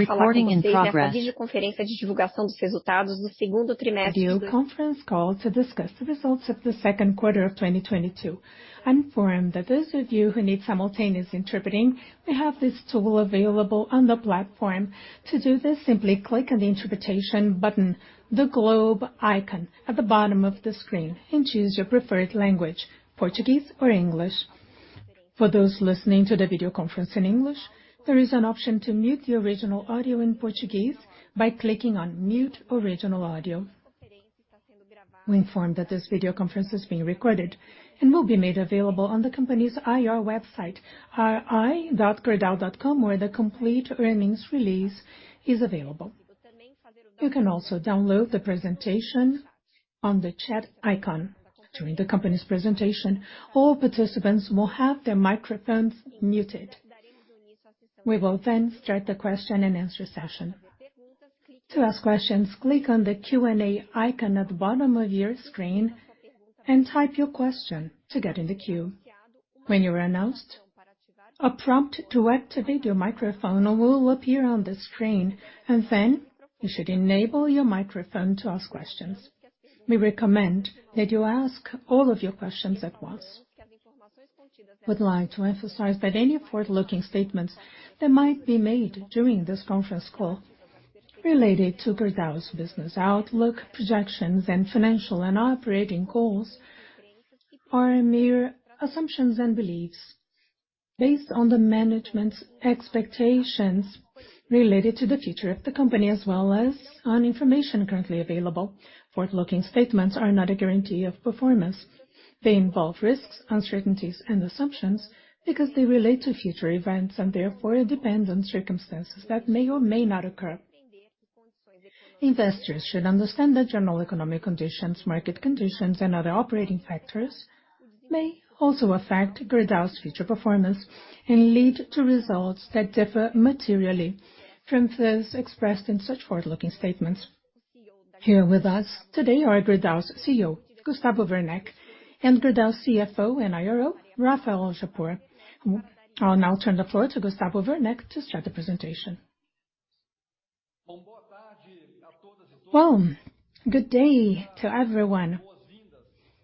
Recording in progress. Video conference call to discuss the results of the second quarter of 2022. I inform that those of you who need simultaneous interpreting, we have this tool available on the platform. To do this, simply click on the interpretation button, the globe icon at the bottom of the screen, and choose your preferred language, Portuguese or English. For those listening to the video conference in English, there is an option to mute the original audio in Portuguese by clicking on Mute Original Audio. We inform that this video conference is being recorded and will be made available on the company's IR website, ir.Gerdau.com, where the complete earnings release is available. You can also download the presentation on the chat icon. During the company's presentation, all participants will have their microphones muted. We will then start the question-and-answer session. To ask questions, click on the Q&A icon at the bottom of your screen and type your question to get in the queue. When you are announced, a prompt to activate your microphone will appear on the screen, and then you should enable your microphone to ask questions. We recommend that you ask all of your questions at once. Would like to emphasize that any forward-looking statements that might be made during this conference call related to Gerdau's business outlook, projections, and financial and operating calls are mere assumptions and beliefs based on the management's expectations related to the future of the company, as well as on information currently available. Forward-looking statements are not a guarantee of performance. They involve risks, uncertainties, and assumptions because they relate to future events and therefore depend on circumstances that may or may not occur. Investors should understand the general economic conditions, market conditions, and other operating factors may also affect Gerdau's future performance and lead to results that differ materially from those expressed in such forward-looking statements. Here with us today are Gerdau's CEO, Gustavo Werneck, and Gerdau's CFO and IRO, Rafael Japur. I'll now turn the floor to Gustavo Werneck to start the presentation. Well, good day to everyone.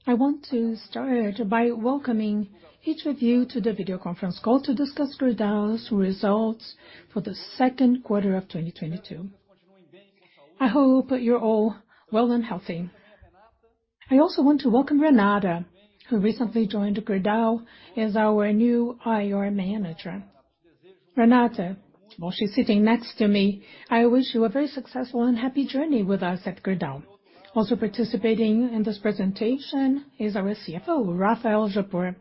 I want to start by welcoming each of you to the video conference call to discuss Gerdau's results for the second quarter of 2022. I hope you're all well and healthy. I also want to welcome Renata, who recently joined Gerdau as our new IR manager. Renata, while she's sitting next to me, I wish you a very successful and happy journey with us at Gerdau. Also participating in this presentation is our CFO, Rafael Japur.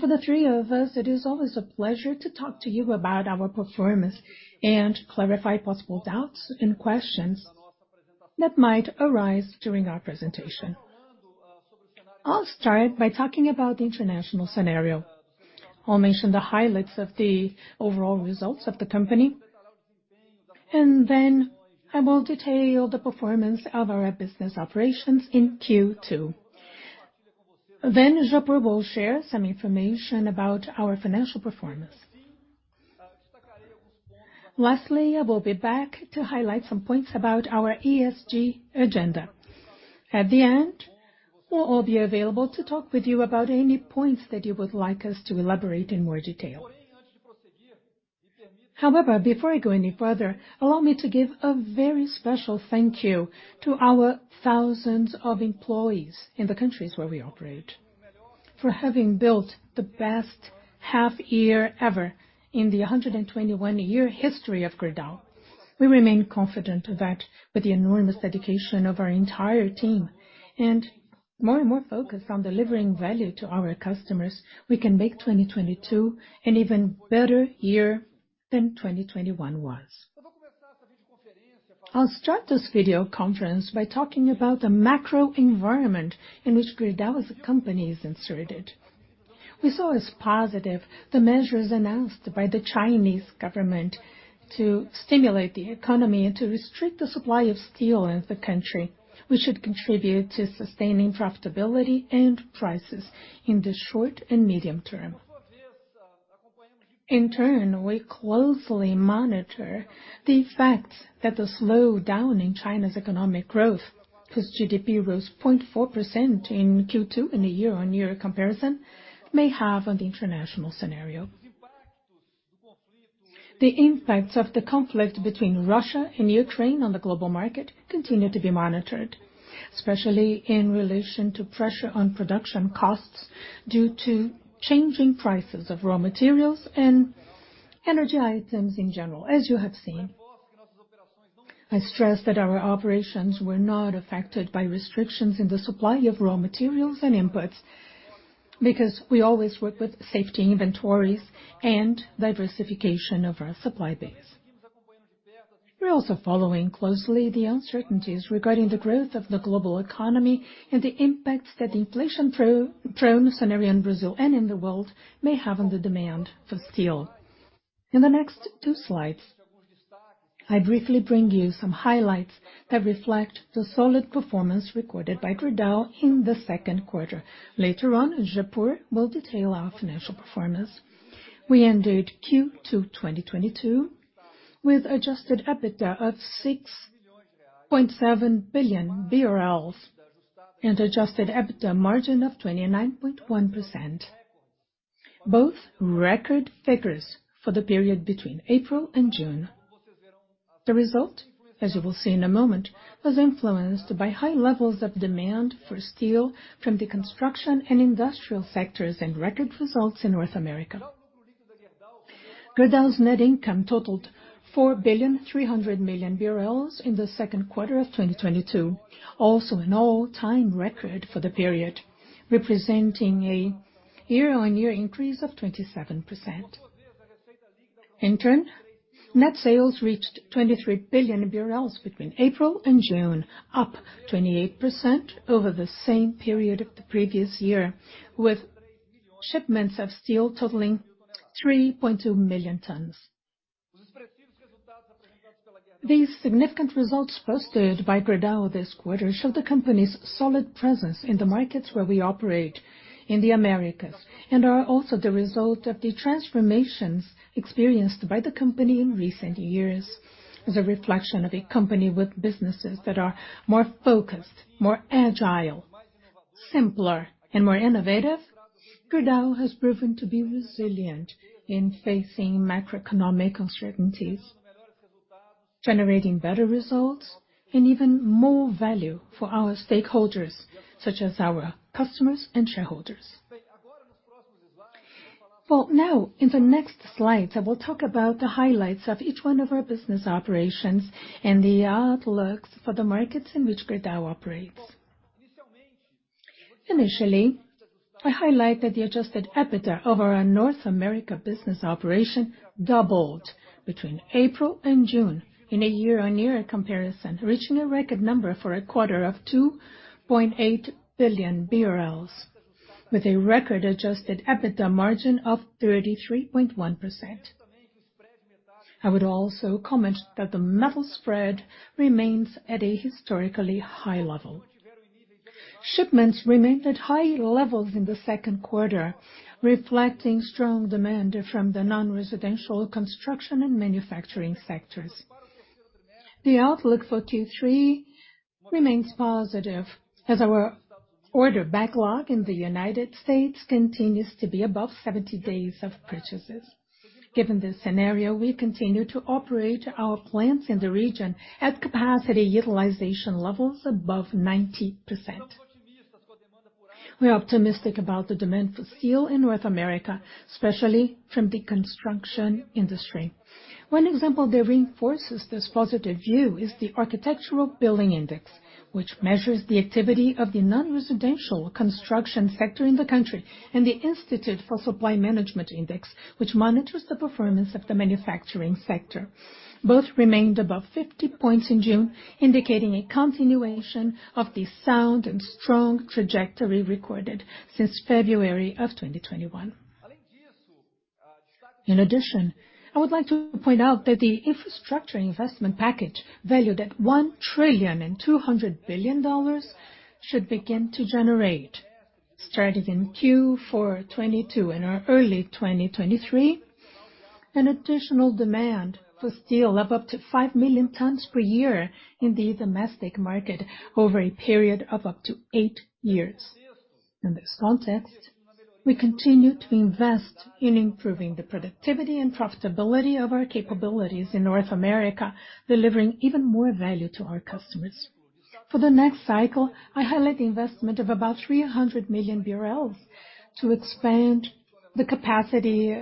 For the three of us, it is always a pleasure to talk to you about our performance and clarify possible doubts and questions that might arise during our presentation. I'll start by talking about the international scenario. I'll mention the highlights of the overall results of the company, and then I will detail the performance of our business operations in Q2. Japur will share some information about our financial performance. Lastly, I will be back to highlight some points about our ESG agenda. At the end, we'll all be available to talk with you about any points that you would like us to elaborate in more detail. However, before I go any further, allow me to give a very special thank you to our thousands of employees in the countries where we operate for having built the best half year ever in the 121-year history of Gerdau. We remain confident that with the enormous dedication of our entire team and more and more focus on delivering value to our customers, we can make 2022 an even better year than 2021 was. I'll start this video conference by talking about the macro environment in which Gerdau as a company is inserted. We saw as positive the measures announced by the Chinese government to stimulate the economy and to restrict the supply of steel in the country, which should contribute to sustaining profitability and prices in the short and medium term. In turn, we closely monitor the effect that the slowdown in China's economic growth, whose GDP rose 0.4% in Q2 in a year-on-year comparison, may have on the international scenario. The impacts of the conflict between Russia and Ukraine on the global market continue to be monitored, especially in relation to pressure on production costs due to changing prices of raw materials and energy items in general, as you have seen. I stress that our operations were not affected by restrictions in the supply of raw materials and inputs because we always work with safety inventories and diversification of our supply base. We're also following closely the uncertainties regarding the growth of the global economy and the impacts that the inflation pro-prone scenario in Brazil and in the world may have on the demand for steel. In the next two slides I briefly bring you some highlights that reflect the solid performance recorded by Gerdau in the second quarter. Later on, Japur will detail our financial performance. We ended Q2 2022 with adjusted EBITDA of 6.7 billion BRL and adjusted EBITDA margin of 29.1%, both record figures for the period between April and June. The result, as you will see in a moment, was influenced by high levels of demand for steel from the construction and industrial sectors and record results in North America. Gerdau's net income totaled 4.3 billion BRL in the second quarter of 2022, also an all-time record for the period, representing a year-on-year increase of 27%. In turn, net sales reached BRL 23 billion between April and June, up 28% over the same period of the previous year, with shipments of steel totaling 3.2 million tons. These significant results posted by Gerdau this quarter show the company's solid presence in the markets where we operate in the Americas and are also the result of the transformations experienced by the company in recent years. As a reflection of a company with businesses that are more focused, more agile, simpler, and more innovative, Gerdau has proven to be resilient in facing macroeconomic uncertainties, generating better results and even more value for our stakeholders, such as our customers and shareholders. Well, now in the next slides, I will talk about the highlights of each one of our business operations and the outlooks for the markets in which Gerdau operates. Initially, I highlighted the Adjusted EBITDA of our North America business operation doubled between April and June in a year-on-year comparison, reaching a record number for a quarter of 2.8 billion BRL with a record Adjusted EBITDA margin of 33.1%. I would also comment that the metal spread remains at a historically high level. Shipments remained at high levels in the second quarter, reflecting strong demand from the non-residential construction and manufacturing sectors. The outlook for Q3 remains positive as our order backlog in the United States continues to be above 70 days of purchases. Given this scenario, we continue to operate our plants in the region at capacity utilization levels above 90%. We're optimistic about the demand for steel in North America, especially from the construction industry. One example that reinforces this positive view is the Architecture Billings Index, which measures the activity of the non-residential construction sector in the country, and the Institute for Supply Management Index, which monitors the performance of the manufacturing sector. Both remained above 50 points in June, indicating a continuation of the sound and strong trajectory recorded since February 2021. In addition, I would like to point out that the infrastructure investment package valued at $1.2 trillion should begin to generate, starting in Q4 2022 and early 2023, an additional demand for steel of up to 5 million tons per year in the domestic market over a period of up to 8 years. In this context, we continue to invest in improving the productivity and profitability of our capabilities in North America, delivering even more value to our customers. For the next cycle, I highlight the investment of about 300 million BRL to expand the capacity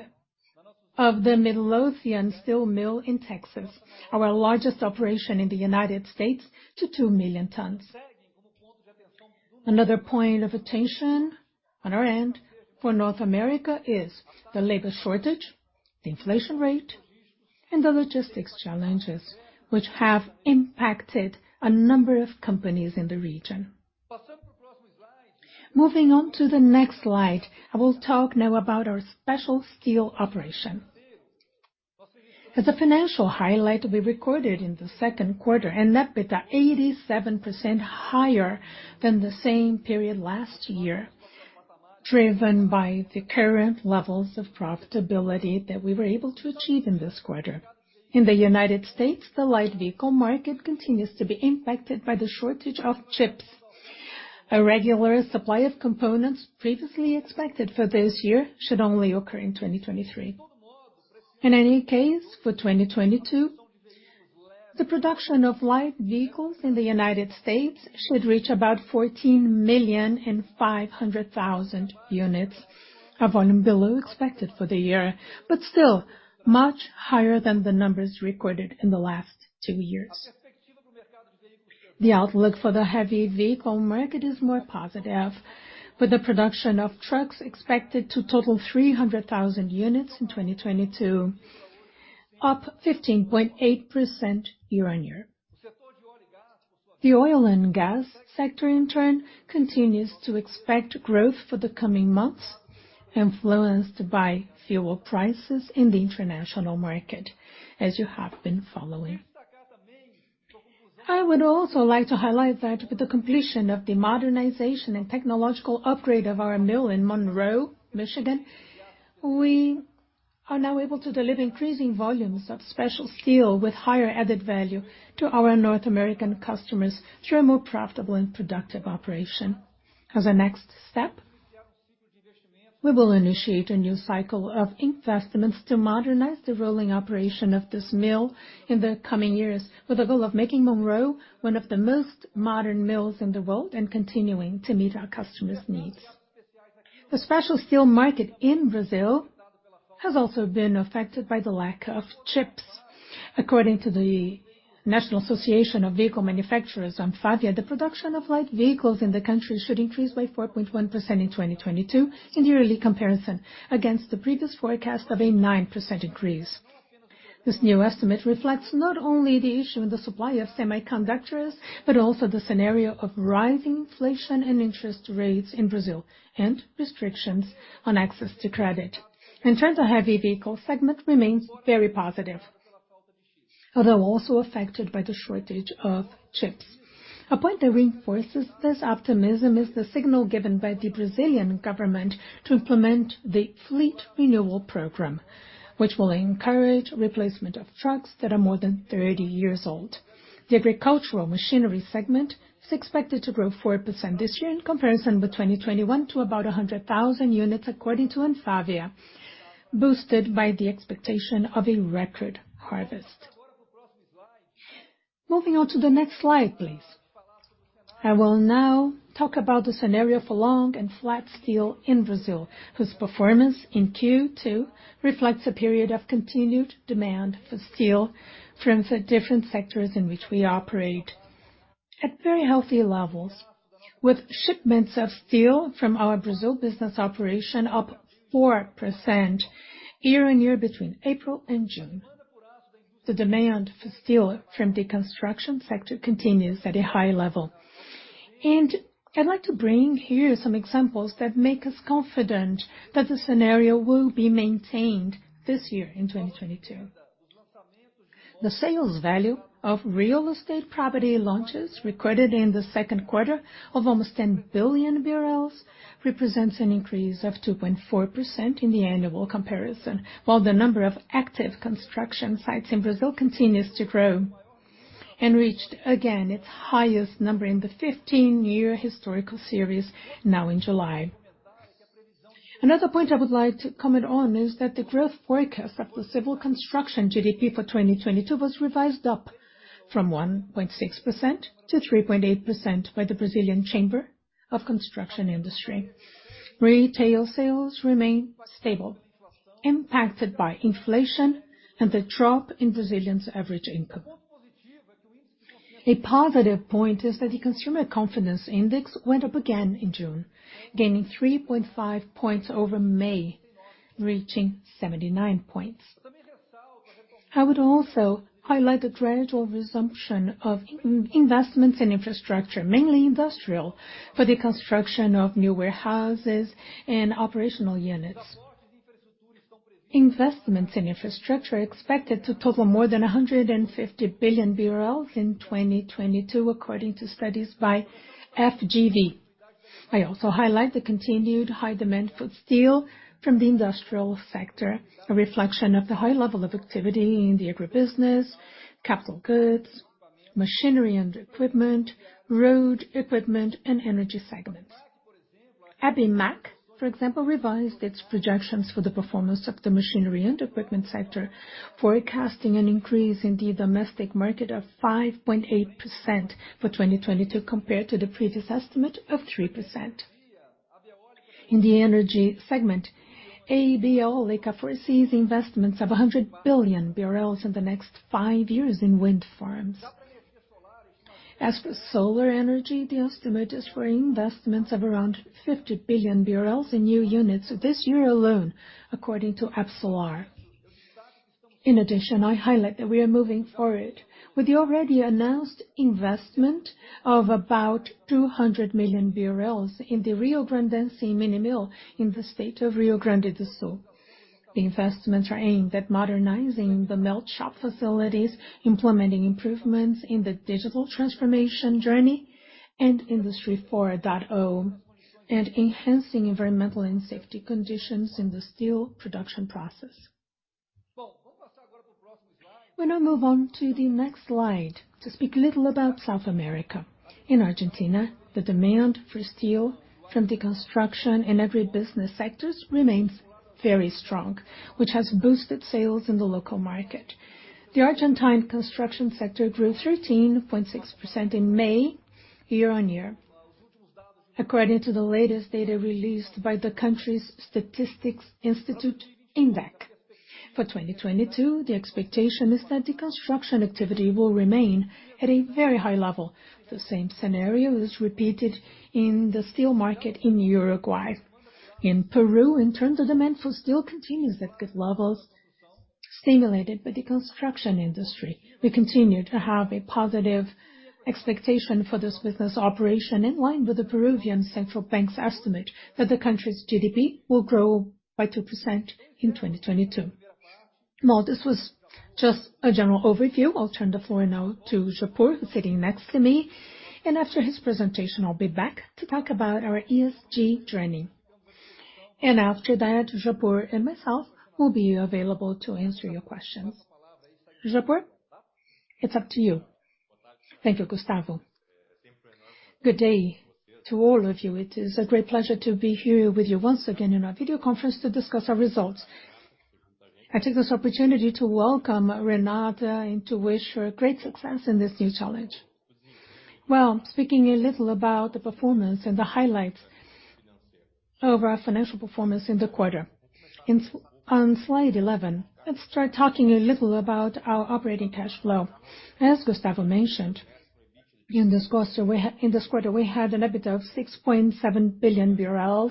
of the Midlothian steel mill in Texas, our largest operation in the United States, to 2,000,000 tons. Another point of attention on our end for North America is the labor shortage, the inflation rate, and the logistics challenges, which have impacted a number of companies in the region. Moving on to the next slide, I will talk now about our special steel operation. As a financial highlight, we recorded in the second quarter an EBITDA 87% higher than the same period last year, driven by the current levels of profitability that we were able to achieve in this quarter. In the United States, the light vehicle market continues to be impacted by the shortage of chips. A regular supply of components previously expected for this year should only occur in 2023. In any case, for 2022, the production of light vehicles in the United States should reach about 14.5 million units, a volume below expected for the year, but still much higher than the numbers recorded in the last two years. The outlook for the heavy vehicle market is more positive, with the production of trucks expected to total 300,000 units in 2022, up 15.8% year-on-year. The oil and gas sector, in turn, continues to expect growth for the coming months, influenced by fuel prices in the international market, as you have been following. I would also like to highlight that with the completion of the modernization and technological upgrade of our mill in Monroe, Michigan, we are now able to deliver increasing volumes of special steel with higher added value to our North American customers through a more profitable and productive operation. As a next step, we will initiate a new cycle of investments to modernize the rolling operation of this mill in the coming years with the goal of making Monroe one of the most modern mills in the world and continuing to meet our customers' needs. The special steel market in Brazil has also been affected by the lack of chips. According to the National Association of Automotive Vehicle Manufacturers, ANFAVEA, the production of light vehicles in the country should increase by 4.1% in 2022 in yearly comparison against the previous forecast of a 9% increase. This new estimate reflects not only the issue in the supply of semiconductors, but also the scenario of rising inflation and interest rates in Brazil, and restrictions on access to credit. In terms of heavy vehicle segment remains very positive, although also affected by the shortage of chips. A point that reinforces this optimism is the signal given by the Brazilian government to implement the fleet renewal program, which will encourage replacement of trucks that are more than 30 years old. The agricultural machinery segment is expected to grow 4% this year in comparison with 2021 to about 100,000 units, according to ANFAVEA, boosted by the expectation of a record harvest. Moving on to the next slide, please. I will now talk about the scenario for long and flat steel in Brazil, whose performance in Q2 reflects a period of continued demand for steel from the different sectors in which we operate at very healthy levels. With shipments of steel from our Brazil business operation up 4% year-on-year between April and June. The demand for steel from the construction sector continues at a high level. I'd like to bring here some examples that make us confident that the scenario will be maintained this year in 2022. The sales value of real estate property launches recorded in the second quarter of almost 10 billion represents an increase of 2.4% in the annual comparison. While the number of active construction sites in Brazil continues to grow and reached again its highest number in the 15-year historical series now in July. Another point I would like to comment on is that the growth forecast of the civil construction GDP for 2022 was revised up from 1.6% to 3.8% by the Brazilian Chamber of Construction Industry. Retail sales remain stable, impacted by inflation and the drop in Brazilians' average income. A positive point is that the Consumer Confidence Index went up again in June, gaining 3.5 points over May, reaching 79 points. I would also highlight the gradual resumption of investments in infrastructure, mainly industrial, for the construction of new warehouses and operational units. Investments in infrastructure are expected to total more than 150 billion BRL in 2022, according to studies by FGV. I also highlight the continued high demand for steel from the industrial sector, a reflection of the high level of activity in the agribusiness, capital goods, machinery and equipment, road equipment and energy segments. ABIMAQ, for example, revised its projections for the performance of the machinery and equipment sector, forecasting an increase in the domestic market of 5.8% for 2022 compared to the previous estimate of 3%. In the energy segment, ABEEOLICA foresees investments of 100 billion BRL in the next five years in wind farms. As for solar energy, the estimate is for investments of around 50 billion BRL in new units this year alone, according to ABSOLAR. In addition, I highlight that we are moving forward with the already announced investment of about 200 million in the Riograndense mini mill in the state of Rio Grande do Sul. The investments are aimed at modernizing the melt shop facilities, implementing improvements in the digital transformation journey and Industry 4.0, and enhancing environmental and safety conditions in the steel production process. We now move on to the next slide to speak a little about South America. In Argentina, the demand for steel from the construction and agribusiness sectors remains very strong, which has boosted sales in the local market. The Argentine construction sector grew 13.6% in May year-on-year, according to the latest data released by the country's statistics institute, INDEC. For 2022, the expectation is that the construction activity will remain at a very high level. The same scenario is repeated in the steel market in Uruguay. In Peru, in turn, the demand for steel continues at good levels, stimulated by the construction industry. We continue to have a positive expectation for this business operation, in line with the Peruvian central bank's estimate that the country's GDP will grow by 2% in 2022. Now, this was just a general overview. I'll turn the floor now to Japur, who's sitting next to me, and after his presentation, I'll be back to talk about our ESG journey. After that, Japur and myself will be available to answer your questions. Japur, it's up to you. Thank you, Gustavo. Good day to all of you. It is a great pleasure to be here with you once again in our video conference to discuss our results. I take this opportunity to welcome Renata and to wish her great success in this new challenge. Well, speaking a little about the performance and the highlights of our financial performance in the quarter. On slide eleven, let's start talking a little about our operating cash flow. As Gustavo mentioned, in this quarter we had an EBIT of 6.7 billion BRL.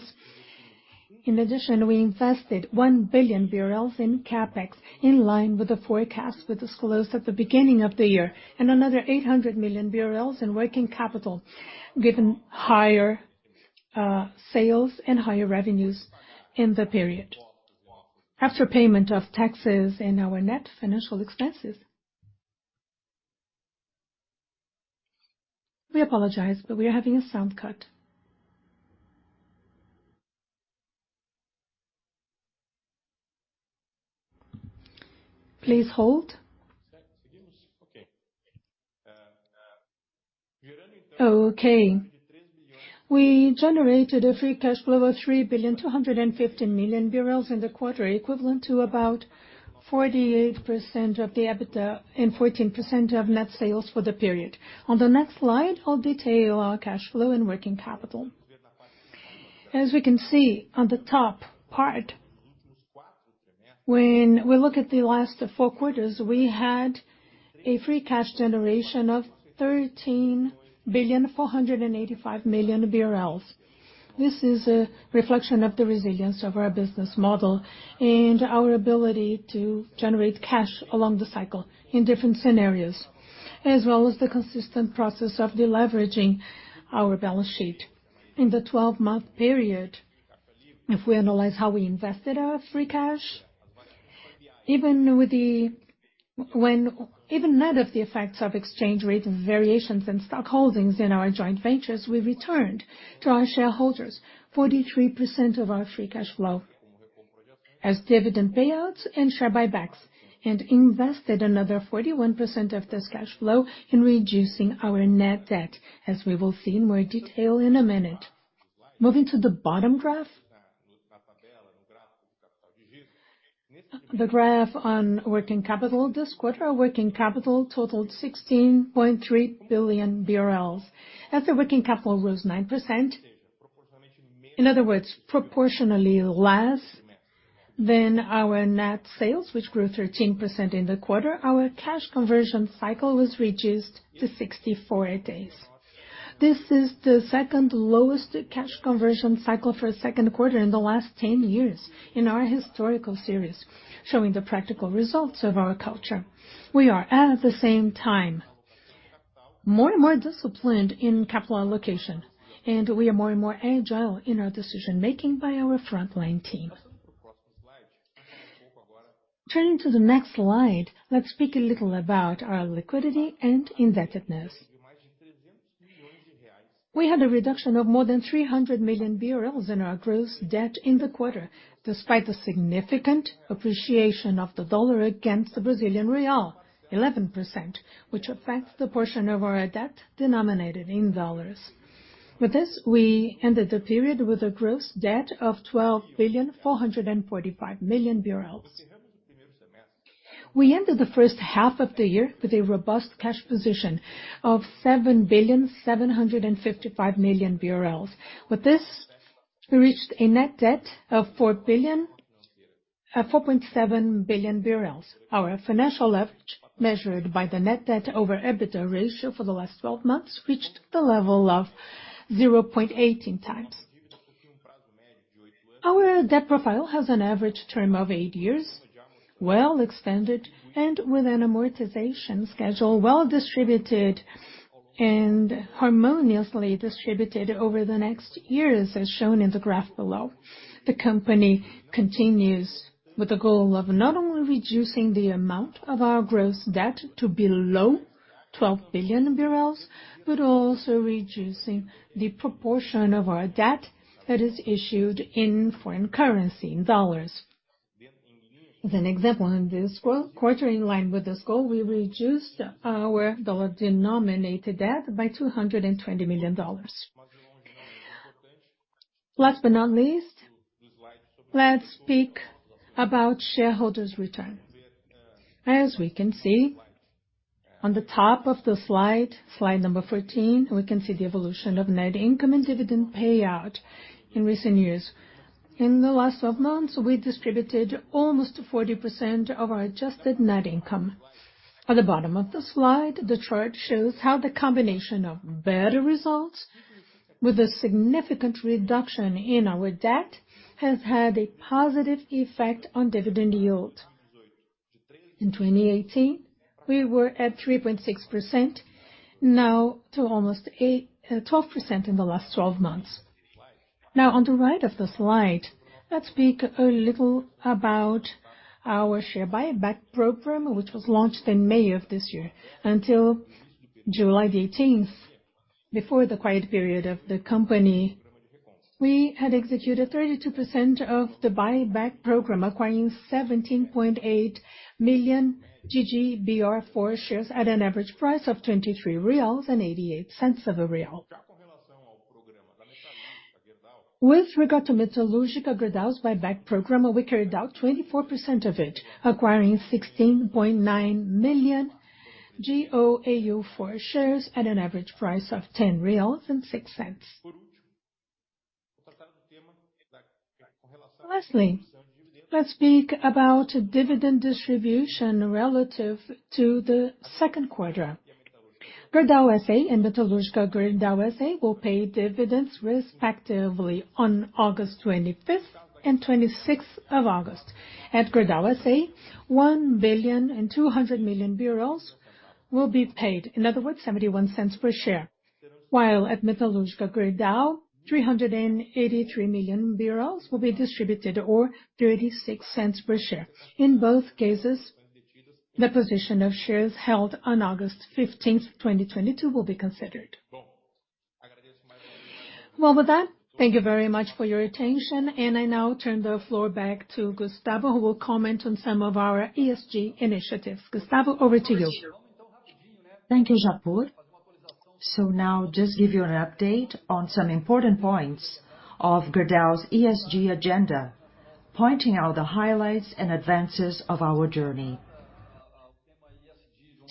In addition, we invested 1 billion BRL in CapEx, in line with the forecast we disclosed at the beginning of the year, and another 800 million BRL in working capital, given higher sales and higher revenues in the period. After payment of taxes and our net financial expenses. We apologize, but we are having a sound cut. Please hold. Okay. We generated a free cash flow of 3.25 billion in the quarter, equivalent to about 48% of the EBITDA and 14% of net sales for the period. On the next slide, I'll detail our cash flow and working capital. As we can see on the top part, when we look at the last four quarters, we had a free cash generation of 13.485 billion. This is a reflection of the resilience of our business model and our ability to generate cash along the cycle in different scenarios, as well as the consistent process of deleveraging our balance sheet. In the twelve-month period, if we analyze how we invested our free cash, even net of the effects of exchange rate variations and stock holdings in our joint ventures, we returned to our shareholders 43% of our free cash flow as dividend payouts and share buybacks, and invested another 41% of this cash flow in reducing our net debt, as we will see in more detail in a minute. Moving to the bottom graph. The graph on working capital. This quarter, working capital totaled 16.3 billion BRL. As the working capital rose 9%, in other words, proportionally less than our net sales, which grew 13% in the quarter, our cash conversion cycle was reduced to 64 days. This is the second lowest cash conversion cycle for a second quarter in the last 10 years in our historical series, showing the practical results of our culture. We are, at the same time, more and more disciplined in capital allocation, and we are more and more agile in our decision-making by our frontline team. Turning to the next slide, let's speak a little about our liquidity and indebtedness. We had a reduction of more than 300 million in our gross debt in the quarter, despite the significant appreciation of the dollar against the Brazilian real, 11%, which affects the portion of our debt denominated in dollars. With this, we ended the period with a gross debt of 12.445 billion. We ended the first half of the year with a robust cash position of 7.755 billion. With this, we reached a net debt of 4.7 billion BRL. Our financial leverage, measured by the net debt over EBITDA ratio for the last twelve months, reached the level of 0.18x. Our debt profile has an average term of 8 years, well extended and with an amortization schedule, well distributed and harmoniously distributed over the next years, as shown in the graph below. The company continues with the goal of not only reducing the amount of our gross debt to below 12 billion, but also reducing the proportion of our debt that is issued in foreign currency, in dollars. As an example, in this quarter, in line with this goal, we reduced our dollar-denominated debt by $220 million. Last but not least, let's speak about shareholders' return. As we can see on the top of the slide number 14, we can see the evolution of net income and dividend payout in recent years. In the last 12 months, we distributed almost 40% of our adjusted net income. At the bottom of the slide, the chart shows how the combination of better results with a significant reduction in our debt has had a positive effect on dividend yield. In 2018, we were at 3.6%, now to almost 12% in the last 12 months. Now, on the right of the slide, let's speak a little about our share buyback program, which was launched in May of this year. Until July 18, before the quiet period of the company, we had executed 32% of the buyback program, acquiring 17.8 million GGBR4 shares at an average price of BRL 23.88. With regard to Metallurgica Gerdau's buyback program, we carried out 24% of it, acquiring 16.9 million GOAU4 shares at an average price of 10.06 reais. Lastly, let's speak about dividend distribution relative to the second quarter. Gerdau S.A. and Metallurgica Gerdau S.A. will pay dividends respectively on August 25th and 26th of August. At Gerdau S.A., 1.2 billion will be paid. In other words, 0.71 per share. While at Metallurgica Gerdau, 383 million BRL will be distributed, or 0.36 per share. In both cases, the position of shares held on August 15th, 2022 will be considered. Well, with that, thank you very much for your attention, and I now turn the floor back to Gustavo, who will comment on some of our ESG initiatives. Gustavo, over to you. Thank you, Japur. Now just give you an update on some important points of Gerdau's ESG agenda, pointing out the highlights and advances of our journey.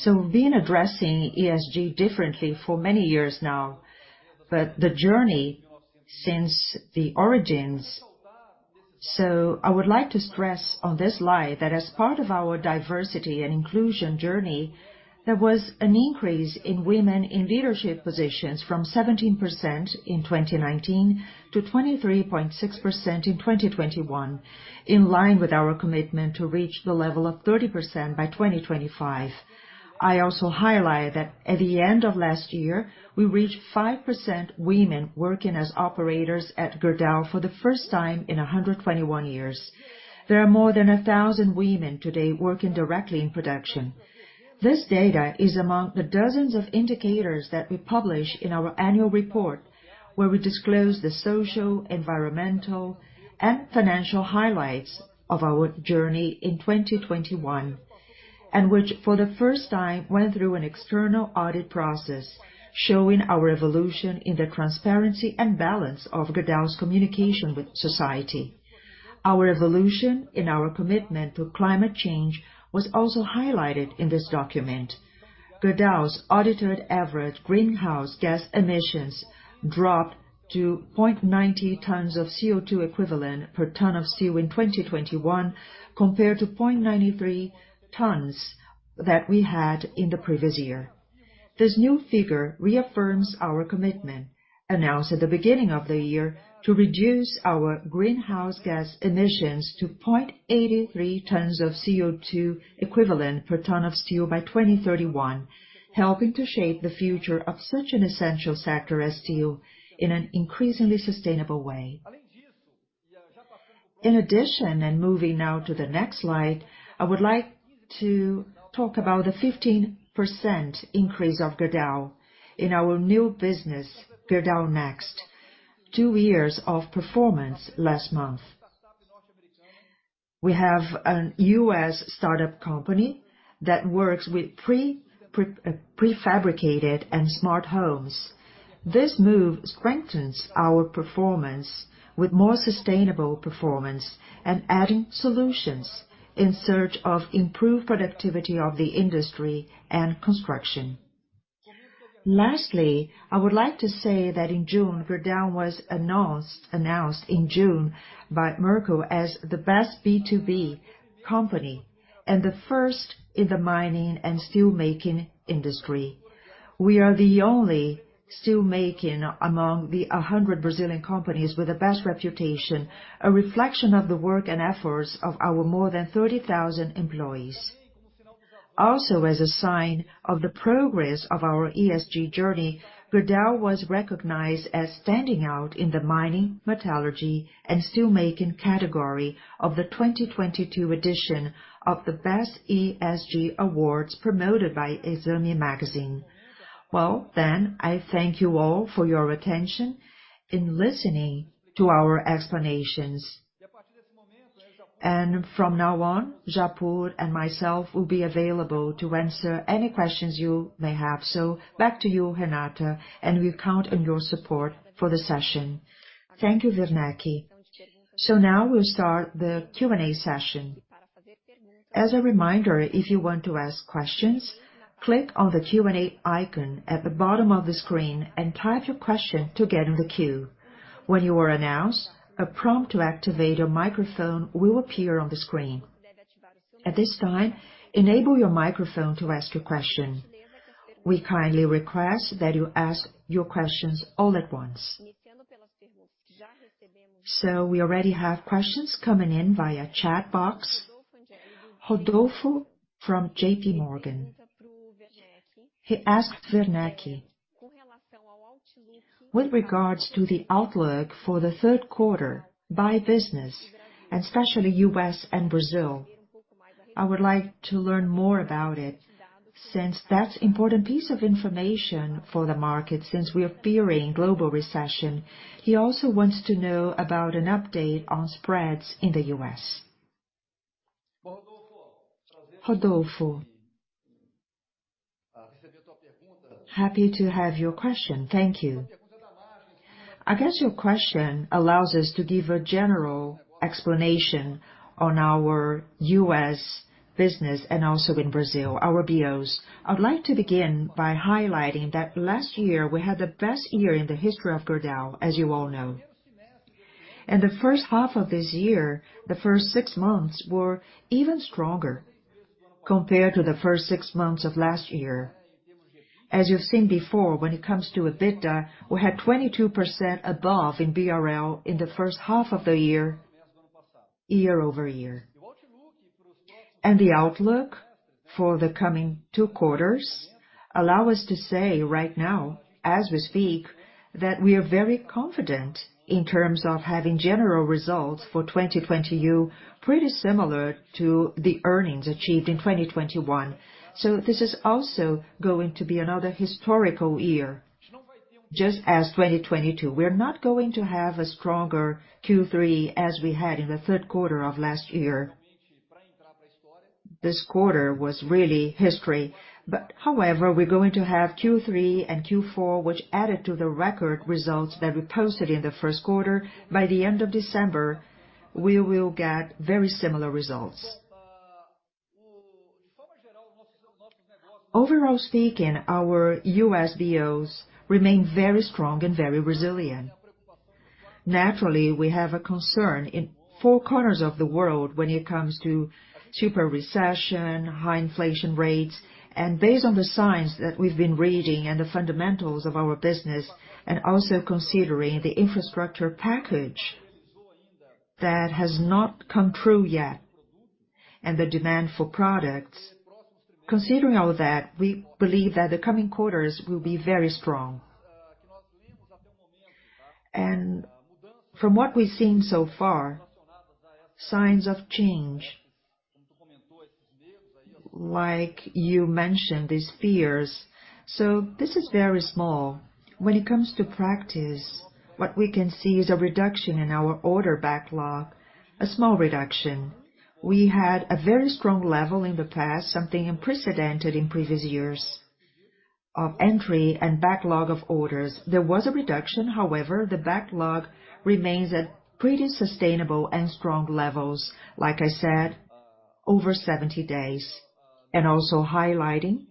We've been addressing ESG differently for many years now, but the journey since the origins. I would like to stress on this slide that as part of our diversity and inclusion journey, there was an increase in women in leadership positions from 17% in 2019 to 23.6% in 2021, in line with our commitment to reach the level of 30% by 2025. I also highlight that at the end of last year, we reached 5% women working as operators at Gerdau for the first time in 121 years. There are more than 1,000 women today working directly in production. This data is among the dozens of indicators that we publish in our annual report, where we disclose the social, environmental, and financial highlights of our journey in 2021, and which for the first time went through an external audit process, showing our evolution in the transparency and balance of Gerdau's communication with society. Our evolution in our commitment to climate change was also highlighted in this document. Gerdau's audited average greenhouse gas emissions dropped to 0.90 tons of CO2 equivalent per ton of steel in 2021, compared to 0.93 tons that we had in the previous year. This new figure reaffirms our commitment, announced at the beginning of the year, to reduce our greenhouse gas emissions to 0.83 tons of CO2 equivalent per ton of steel by 2031, helping to shape the future of such an essential sector as steel in an increasingly sustainable way. In addition, moving now to the next slide, I would like to talk about the 15% increase of Gerdau in our new business, Gerdau Next. 2 years of performance last month. We have a U.S. startup company that works with prefabricated and smart homes. This move strengthens our performance with more sustainable performance and adding solutions in search of improved productivity of the industry and construction. Lastly, I would like to say that in June, Gerdau was announced in June by Merco as the best B2B company and the first in the mining and steel making industry. We are the only steel making among the 100 Brazilian companies with the best reputation, a reflection of the work and efforts of our more than 30,000 employees. Also, as a sign of the progress of our ESG journey, Gerdau was recognized as standing out in the mining, metallurgy, and steel making category of the 2022 edition of the Best ESG Awards promoted by Exame Magazine. Well, then, I thank you all for your attention in listening to our explanations. From now on, Japur and myself will be available to answer any questions you may have. Back to you, Renata, and we count on your support for the session. Thank you, Werneck. Now we'll start the Q&A session. As a reminder, if you want to ask questions. Click on the Q&A icon at the bottom of the screen and type your question to get in the queue. When you are announced, a prompt to activate your microphone will appear on the screen. At this time, enable your microphone to ask your question. We kindly request that you ask your questions all at once. We already have questions coming in via chat box. Rodolfo from JP Morgan. He asked Werneck, with regards to the outlook for the third quarter by business, especially U.S. and Brazil, I would like to learn more about it since that's important piece of information for the market, since we are fearing global recession. He also wants to know about an update on spreads in the U.S. Rodolfo, happy to have your question. Thank you. I guess your question allows us to give a general explanation on our US business and also in Brazil, our ops. I'd like to begin by highlighting that last year we had the best year in the history of Gerdau, as you all know. The first half of this year, the first six months were even stronger compared to the first six months of last year. As you've seen before, when it comes to EBITDA, we had 22% above in BRL in the first half of the year-over-year. The outlook for the coming two quarters allow us to say right now as we speak, that we are very confident in terms of having general results for 2022, pretty similar to the earnings achieved in 2021. This is also going to be another historical year, just as 2022. We're not going to have a stronger Q3 as we had in the third quarter of last year. This quarter was really historic. But however, we're going to have Q3 and Q4, which added to the record results that we posted in the first quarter. By the end of December, we will get very similar results. Overall speaking, our US ops remain very strong and very resilient. Naturally, we have a concern in four corners of the world when it comes to severe recession, high inflation rates, and based on the signs that we've been reading and the fundamentals of our business, and also considering the infrastructure package that has not come true yet and the demand for products. Considering all that, we believe that the coming quarters will be very strong. From what we've seen so far, signs of change, like you mentioned, these fears. This is very small. When it comes to practice, what we can see is a reduction in our order backlog, a small reduction. We had a very strong level in the past, something unprecedented in previous years of entry and backlog of orders. There was a reduction, however, the backlog remains at pretty sustainable and strong levels, like I said, over 70 days. Also highlighting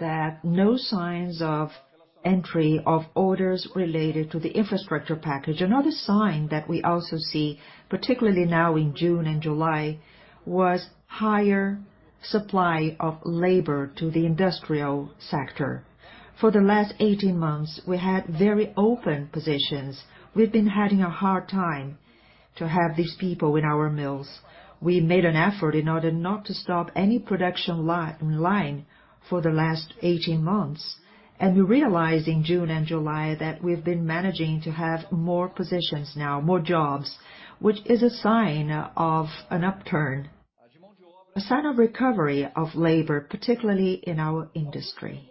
that no signs of entry of orders related to the infrastructure package. Another sign that we also see, particularly now in June and July, was higher supply of labor to the industrial sector. For the last 18 months, we had very open positions. We've been having a hard time to have these people in our mills. We made an effort in order not to stop any production line for the last 18 months. We realized in June and July that we've been managing to have more positions now, more jobs, which is a sign of an upturn, a sign of recovery of labor, particularly in our industry,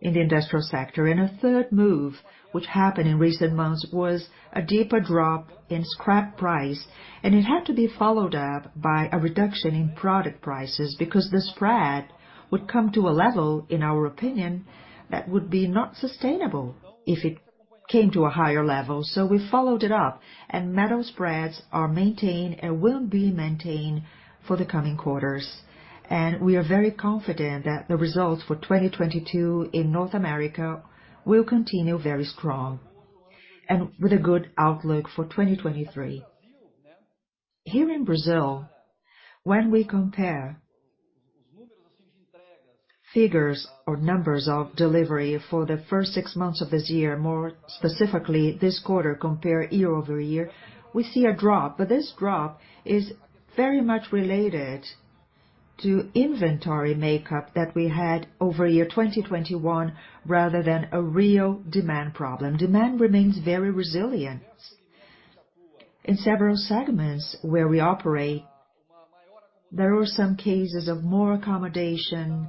in the industrial sector. A third move, which happened in recent months, was a deeper drop in scrap price, and it had to be followed up by a reduction in product prices because the spread would come to a level, in our opinion, that would be not sustainable if it came to a higher level. We followed it up and metal spreads are maintained and will be maintained for the coming quarters. We are very confident that the results for 2022 in North America will continue very strong and with a good outlook for 2023. Here in Brazil, when we compare figures or numbers of delivery for the first six months of this year, more specifically this quarter, compare year-over-year, we see a drop. This drop is very much related to inventory makeup that we had over year 2021, rather than a real demand problem. Demand remains very resilient. In several segments where we operate, there were some cases of more accommodation,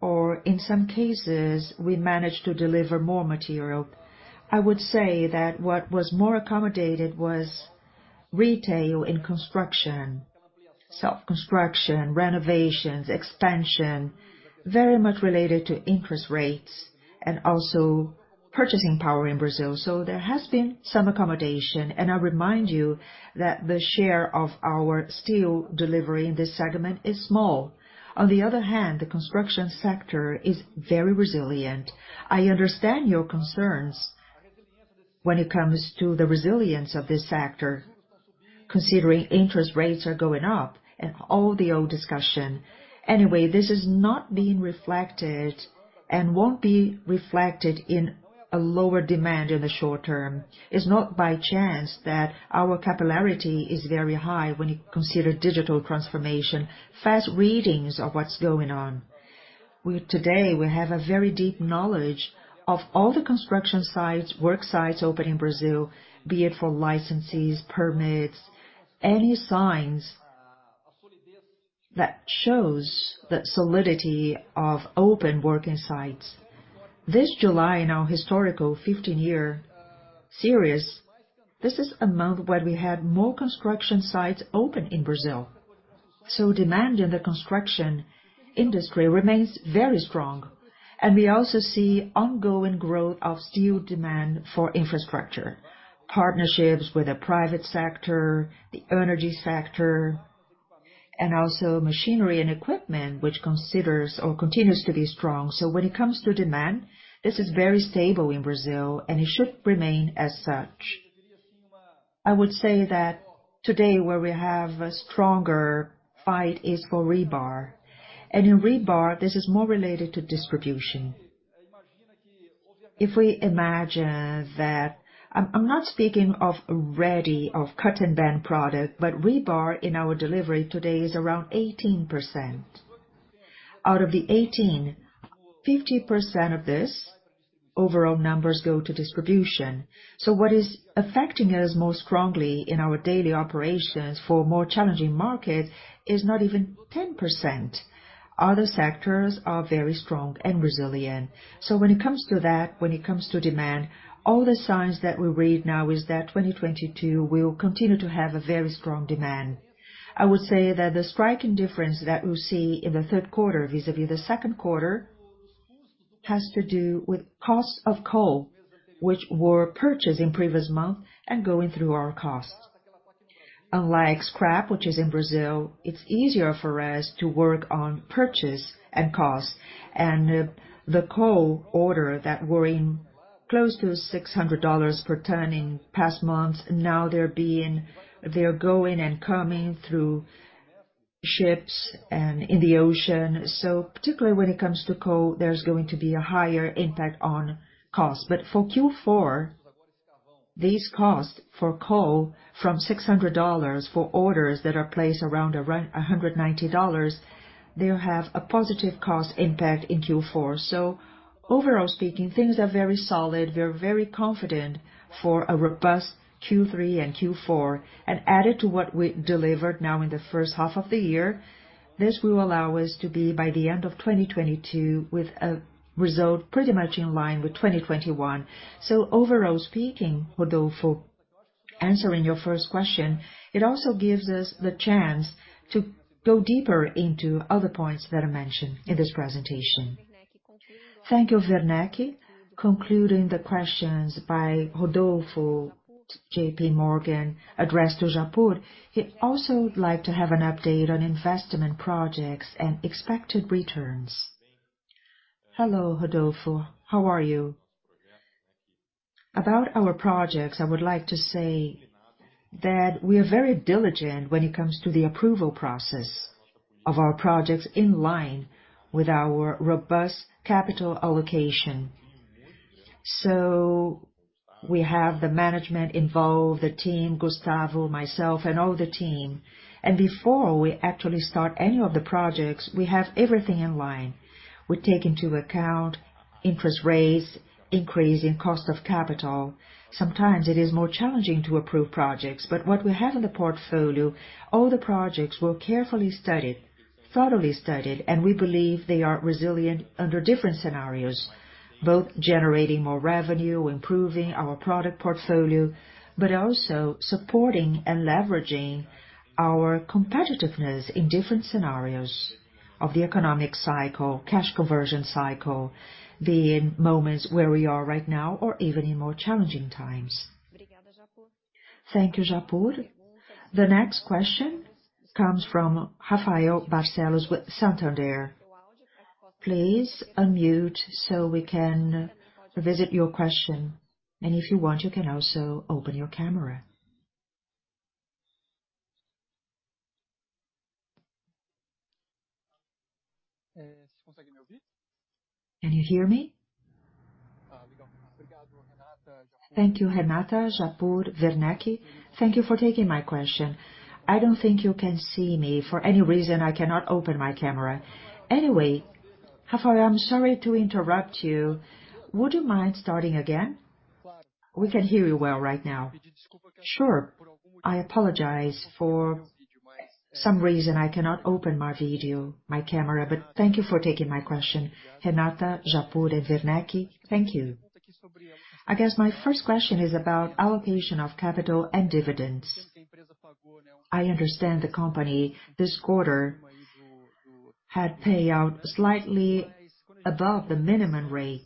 or in some cases, we managed to deliver more material. I would say that what was more accommodated was retail in construction, self-construction, renovations, expansion, very much related to increased rates and also purchasing power in Brazil. There has been some accommodation. I remind you that the share of our steel delivery in this segment is small. On the other hand, the construction sector is very resilient. I understand your concerns when it comes to the resilience of this sector, considering interest rates are going up and all the old discussion. Anyway, this is not being reflected and won't be reflected in a lower demand in the short term. It's not by chance that our capillarity is very high when you consider digital transformation, fast readings of what's going on. Today, we have a very deep knowledge of all the construction sites, work sites open in Brazil, be it for licenses, permits, any signs that shows the solidity of open working sites. This July, in our historical 15-year series, this is a month where we had more construction sites open in Brazil. Demand in the construction industry remains very strong. We also see ongoing growth of steel demand for infrastructure, partnerships with the private sector, the energy sector, and also machinery and equipment, which considers or continues to be strong. When it comes to demand, this is very stable in Brazil, and it should remain as such. I would say that today, where we have a stronger fight is for rebar. In rebar, this is more related to distribution. If we imagine that I'm not speaking of ready, of cut-and-bend product, but rebar in our delivery today is around 18%. Out of the 18, 50% of this overall numbers go to distribution. What is affecting us most strongly in our daily operations for more challenging markets is not even 10%. Other sectors are very strong and resilient. When it comes to that, when it comes to demand, all the signs that we read now is that 2022 will continue to have a very strong demand. I would say that the striking difference that we see in the third quarter vis-à-vis the second quarter has to do with cost of coal, which were purchased in previous month and going through our cost. Unlike scrap, which is in Brazil, it's easier for us to work on purchase and cost. The coal order that were in close to $600 per ton in past months, now they're going and coming through ships and in the ocean. Particularly when it comes to coal, there's going to be a higher impact on cost. For Q4, these costs for coal from $600 for orders that are placed around $190, they'll have a positive cost impact in Q4. Overall speaking, things are very solid. We're very confident for a robust Q3 and Q4. Added to what we delivered now in the first half of the year, this will allow us to be, by the end of 2022, with a result pretty much in line with 2021. Overall speaking, Rodolfo, answering your first question, it also gives us the chance to go deeper into other points that I mentioned in this presentation. Thank you, Werneck. Concluding the questions by Rodolfo, J.P. Morgan, addressed to Japur. He also would like to have an update on investment projects and expected returns. Hello, Rodolfo. How are you? About our projects, I would like to say that we are very diligent when it comes to the approval process of our projects in line with our robust capital allocation. We have the management involved, the team, Gustavo, myself and all the team. Before we actually start any of the projects, we have everything in line. We take into account interest rates, increase in cost of capital. Sometimes it is more challenging to approve projects. What we have in the portfolio, all the projects were carefully studied, thoroughly studied, and we believe they are resilient under different scenarios, both generating more revenue, improving our product portfolio, but also supporting and leveraging our competitiveness in different scenarios of the economic cycle, cash conversion cycle, be it moments where we are right now or even in more challenging times. Thank you, Japur. The next question comes from Rafael Barcellos with Santander. Please unmute so we can revisit your question. If you want, you can also open your camera. Can you hear me? Thank you, Renata, Japur, Werneck. Thank you for taking my question. I don't think you can see me. For any reason, I cannot open my camera. Anyway, Rafael, I'm sorry to interrupt you. Would you mind starting again? We can hear you well right now. Sure. I apologize. For some reason, I cannot open my video, my camera. Thank you for taking my question. Renata, Japur and Werneck, thank you. I guess my first question is about allocation of capital and dividends. I understand the company this quarter had payout slightly above the minimum rate.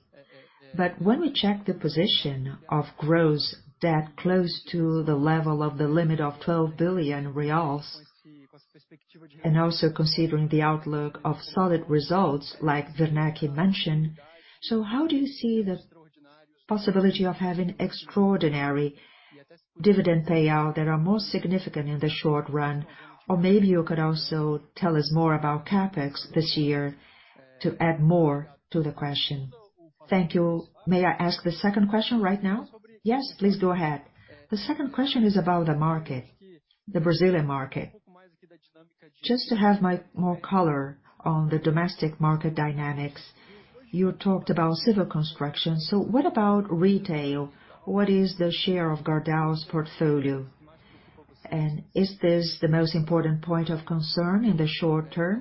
When we check the position of gross debt close to the level of the limit of BRL 12 billion, and also considering the outlook of solid results like Werneck mentioned. How do you see the possibility of having extraordinary dividend payout that are more significant in the short run? Or maybe you could also tell us more about CapEx this year to add more to the question. Thank you. May I ask the second question right now? Yes, please go ahead. The second question is about the market, the Brazilian market. Just to have more color on the domestic market dynamics. You talked about civil construction, so what about retail? What is the share of Gerdau's portfolio? And is this the most important point of concern in the short term?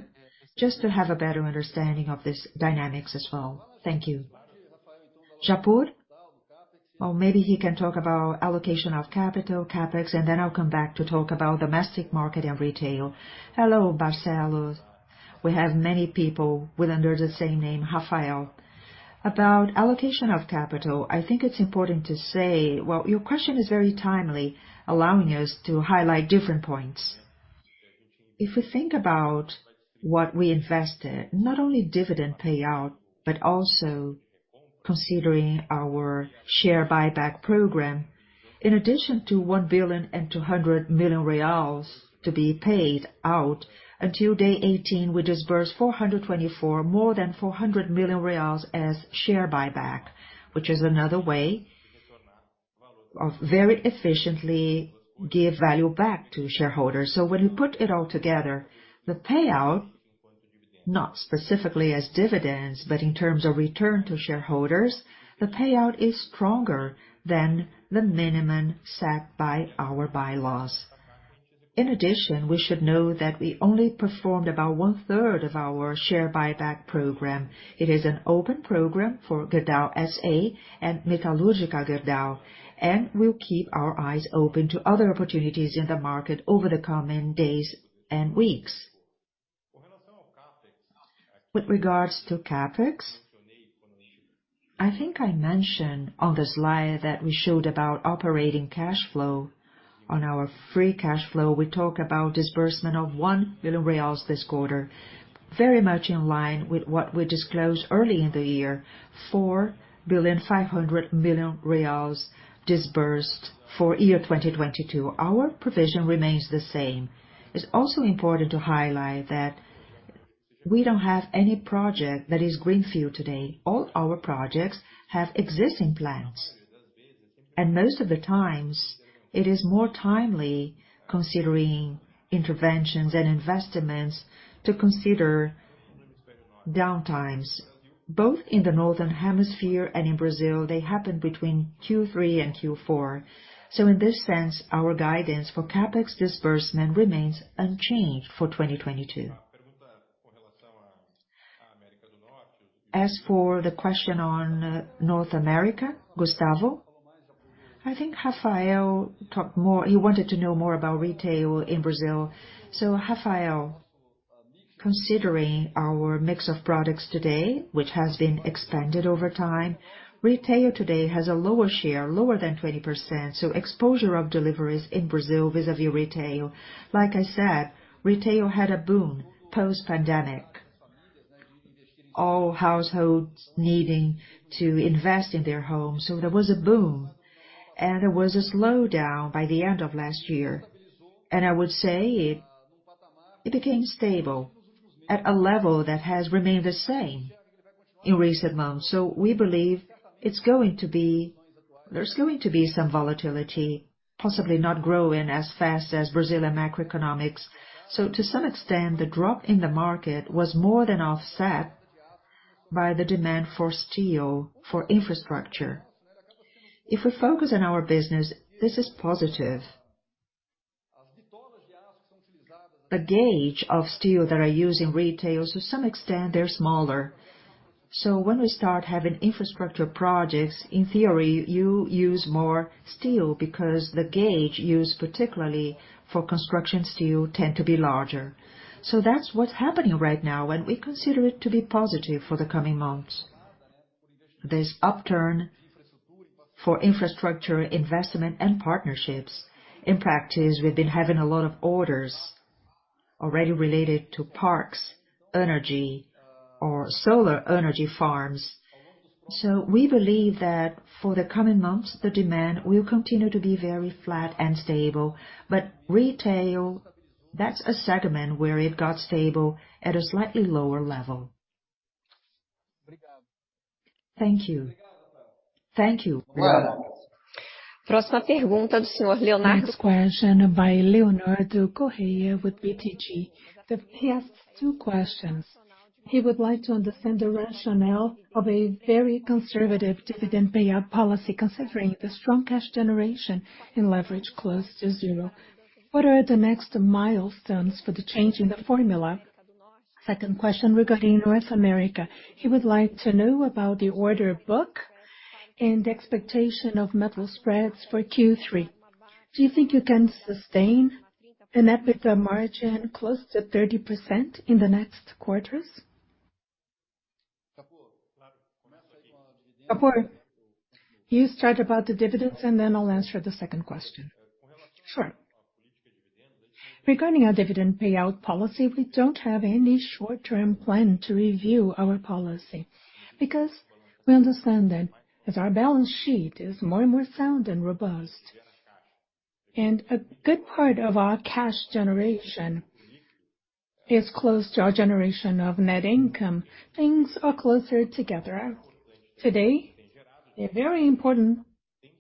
Just to have a better understanding of this dynamics as well. Thank you. Japur? Or maybe he can talk about allocation of capital, CapEx, and then I'll come back to talk about domestic market and retail. Hello, Rafael Barcellos. We have many people with the same name, Rafael. About allocation of capital, I think it's important to say. Well, your question is very timely, allowing us to highlight different points. If we think about what we invested, not only dividend payout, but also considering our share buyback program. In addition to 1.2 billion to be paid out, until day 18, we disbursed 424 million, more than 400 million reals as share buyback. Which is another way of very efficiently give value back to shareholders. When you put it all together, the payout, not specifically as dividends, but in terms of return to shareholders, the payout is stronger than the minimum set by our bylaws. In addition, we should know that we only performed about one-third of our share buyback program. It is an open program for Gerdau S.A. and Metalúrgica Gerdau, and we'll keep our eyes open to other opportunities in the market over the coming days and weeks. With regards to CapEx, I think I mentioned on the slide that we showed about operating cash flow. On our free cash flow, we talk about disbursement of 1 billion reais this quarter, very much in line with what we disclosed early in the year, 4.5 billion disbursed for year 2022. Our provision remains the same. It's also important to highlight that we don't have any project that is greenfield today. All our projects have existing plans. Most of the times, it is more timely considering interventions and investments to consider downtimes, both in the Northern Hemisphere and in Brazil. They happen between Q3 and Q4. In this sense, our guidance for CapEx disbursement remains unchanged for 2022. As for the question on North America, Gustavo, I think Rafael talked more. He wanted to know more about retail in Brazil. Rafael, considering our mix of products today, which has been expanded over time, retail today has a lower share, lower than 20%, so exposure of deliveries in Brazil vis-à-vis retail. Like I said, retail had a boom post-pandemic. All households needing to invest in their homes, so there was a boom, and there was a slowdown by the end of last year. I would say it became stable at a level that has remained the same in recent months. We believe it's going to be. There's going to be some volatility, possibly not growing as fast as Brazilian macroeconomics. To some extent, the drop in the market was more than offset by the demand for steel, for infrastructure. If we focus on our business, this is positive. The gauge of steel that I use in retail, to some extent, they're smaller. When we start having infrastructure projects, in theory, you use more steel because the gauge used, particularly for construction steel, tend to be larger. That's what's happening right now, and we consider it to be positive for the coming months. This upturn for infrastructure, investment, and partnerships. In practice, we've been having a lot of orders already related to parks, energy, or solar energy farms. We believe that for the coming months, the demand will continue to be very flat and stable. Retail, that's a segment where it got stable at a slightly lower level. Thank you. Thank you. Next question by Leonardo Correa with BTG. He asks two questions. He would like to understand the rationale of a very conservative dividend payout policy, considering the strong cash generation in leverage close to zero. What are the next milestones for the change in the formula? Second question regarding North America. He would like to know about the order book and expectation of metal spreads for Q3. Do you think you can sustain an EBITDA margin close to 30% in the next quarters? You start about the dividends, and then I'll answer the second question. Sure. Regarding our dividend payout policy, we don't have any short-term plan to review our policy because we understand that as our balance sheet is more and more sound and robust, and a good part of our cash generation is close to our generation of net income, things are closer together. Today, a very important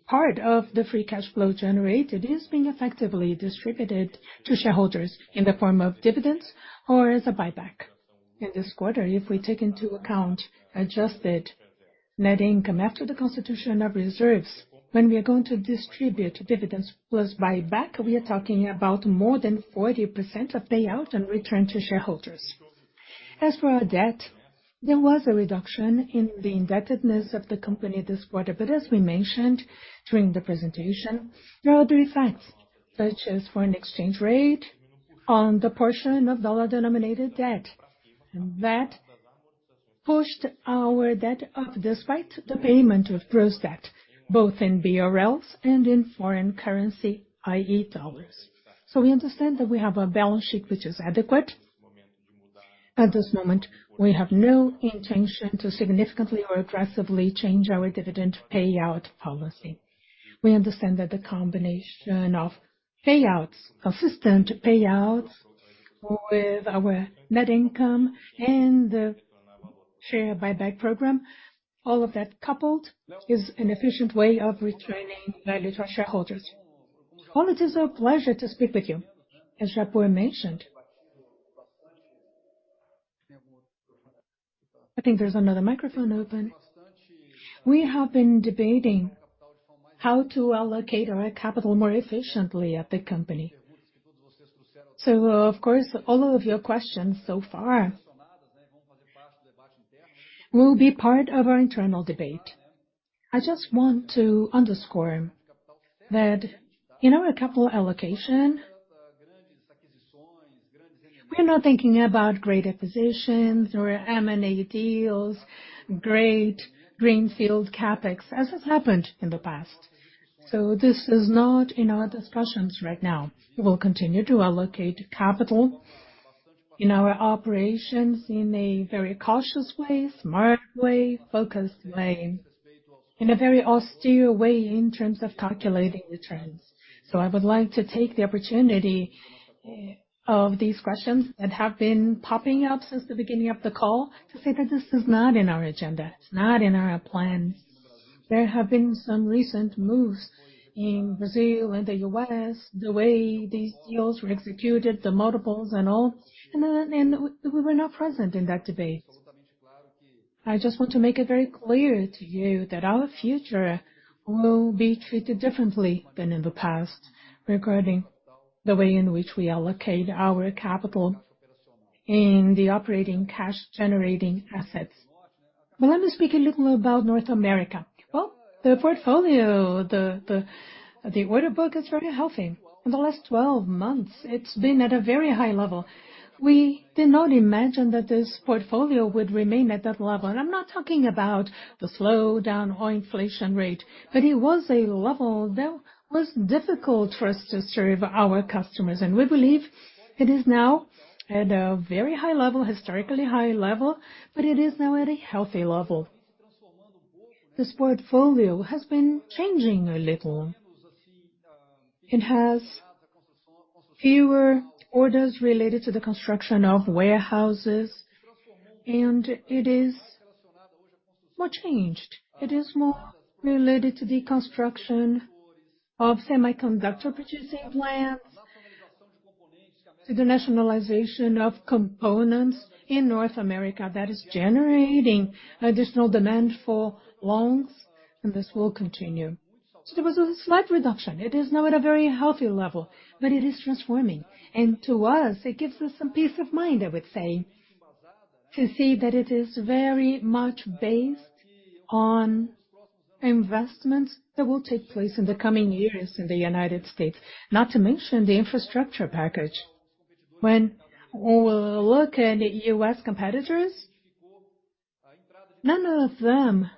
part of the free cash flow generated is being effectively distributed to shareholders in the form of dividends or as a buyback. In this quarter, if we take into account adjusted net income after the constitution of reserves, when we are going to distribute dividends plus buyback, we are talking about more than 40% of payout and return to shareholders. As for our debt, there was a reduction in the indebtedness of the company this quarter. As we mentioned during the presentation, there are other effects, such as foreign exchange rate on the portion of dollar-denominated debt. That pushed our debt up despite the payment of gross debt, both in BRL and in foreign currency, i.e. dollars. We understand that we have a balance sheet which is adequate. At this moment, we have no intention to significantly or aggressively change our dividend payout policy. We understand that the combination of payouts, a system to payout with our net income and the share buyback program, all of that coupled is an efficient way of returning value to our shareholders. Well, it is a pleasure to speak with you. As Japur mentioned, I think there's another microphone open. We have been debating how to allocate our capital more efficiently at the company. So of course, all of your questions so far will be part of our internal debate. I just want to underscore that in our capital allocation, we're not thinking about great acquisitions or M&A deals, great greenfield CapEx, as has happened in the past. This is not in our discussions right now. We will continue to allocate capital in our operations in a very cautious way, smart way, focused way, in a very austere way in terms of calculating returns. I would like to take the opportunity of these questions that have been popping up since the beginning of the call to say that this is not in our agenda, it's not in our plans. There have been some recent moves in Brazil and the U.S., the way these deals were executed, the multiples and all, and we were not present in that debate. I just want to make it very clear to you that our future will be treated differently than in the past regarding the way in which we allocate our capital in the operating cash-generating assets. Let me speak a little about North America. Well, the portfolio, the order book is very healthy. In the last 12 months, it's been at a very high level. We did not imagine that this portfolio would remain at that level. I'm not talking about the slowdown or inflation rate, but it was a level that was difficult for us to serve our customers. We believe it is now at a very high level, historically high level, but it is now at a healthy level. This portfolio has been changing a little. It has fewer orders related to the construction of warehouses, and it is more changed. It is more related to the construction of semiconductor producing plants, to the nationalization of components in North America that is generating additional demand for loans, and this will continue. There was a slight reduction. It is now at a very healthy level, but it is transforming. To us, it gives us some peace of mind, I would say, to see that it is very much based on investments that will take place in the coming years in the United States, not to mention the infrastructure package. When we look at US competitors, none of them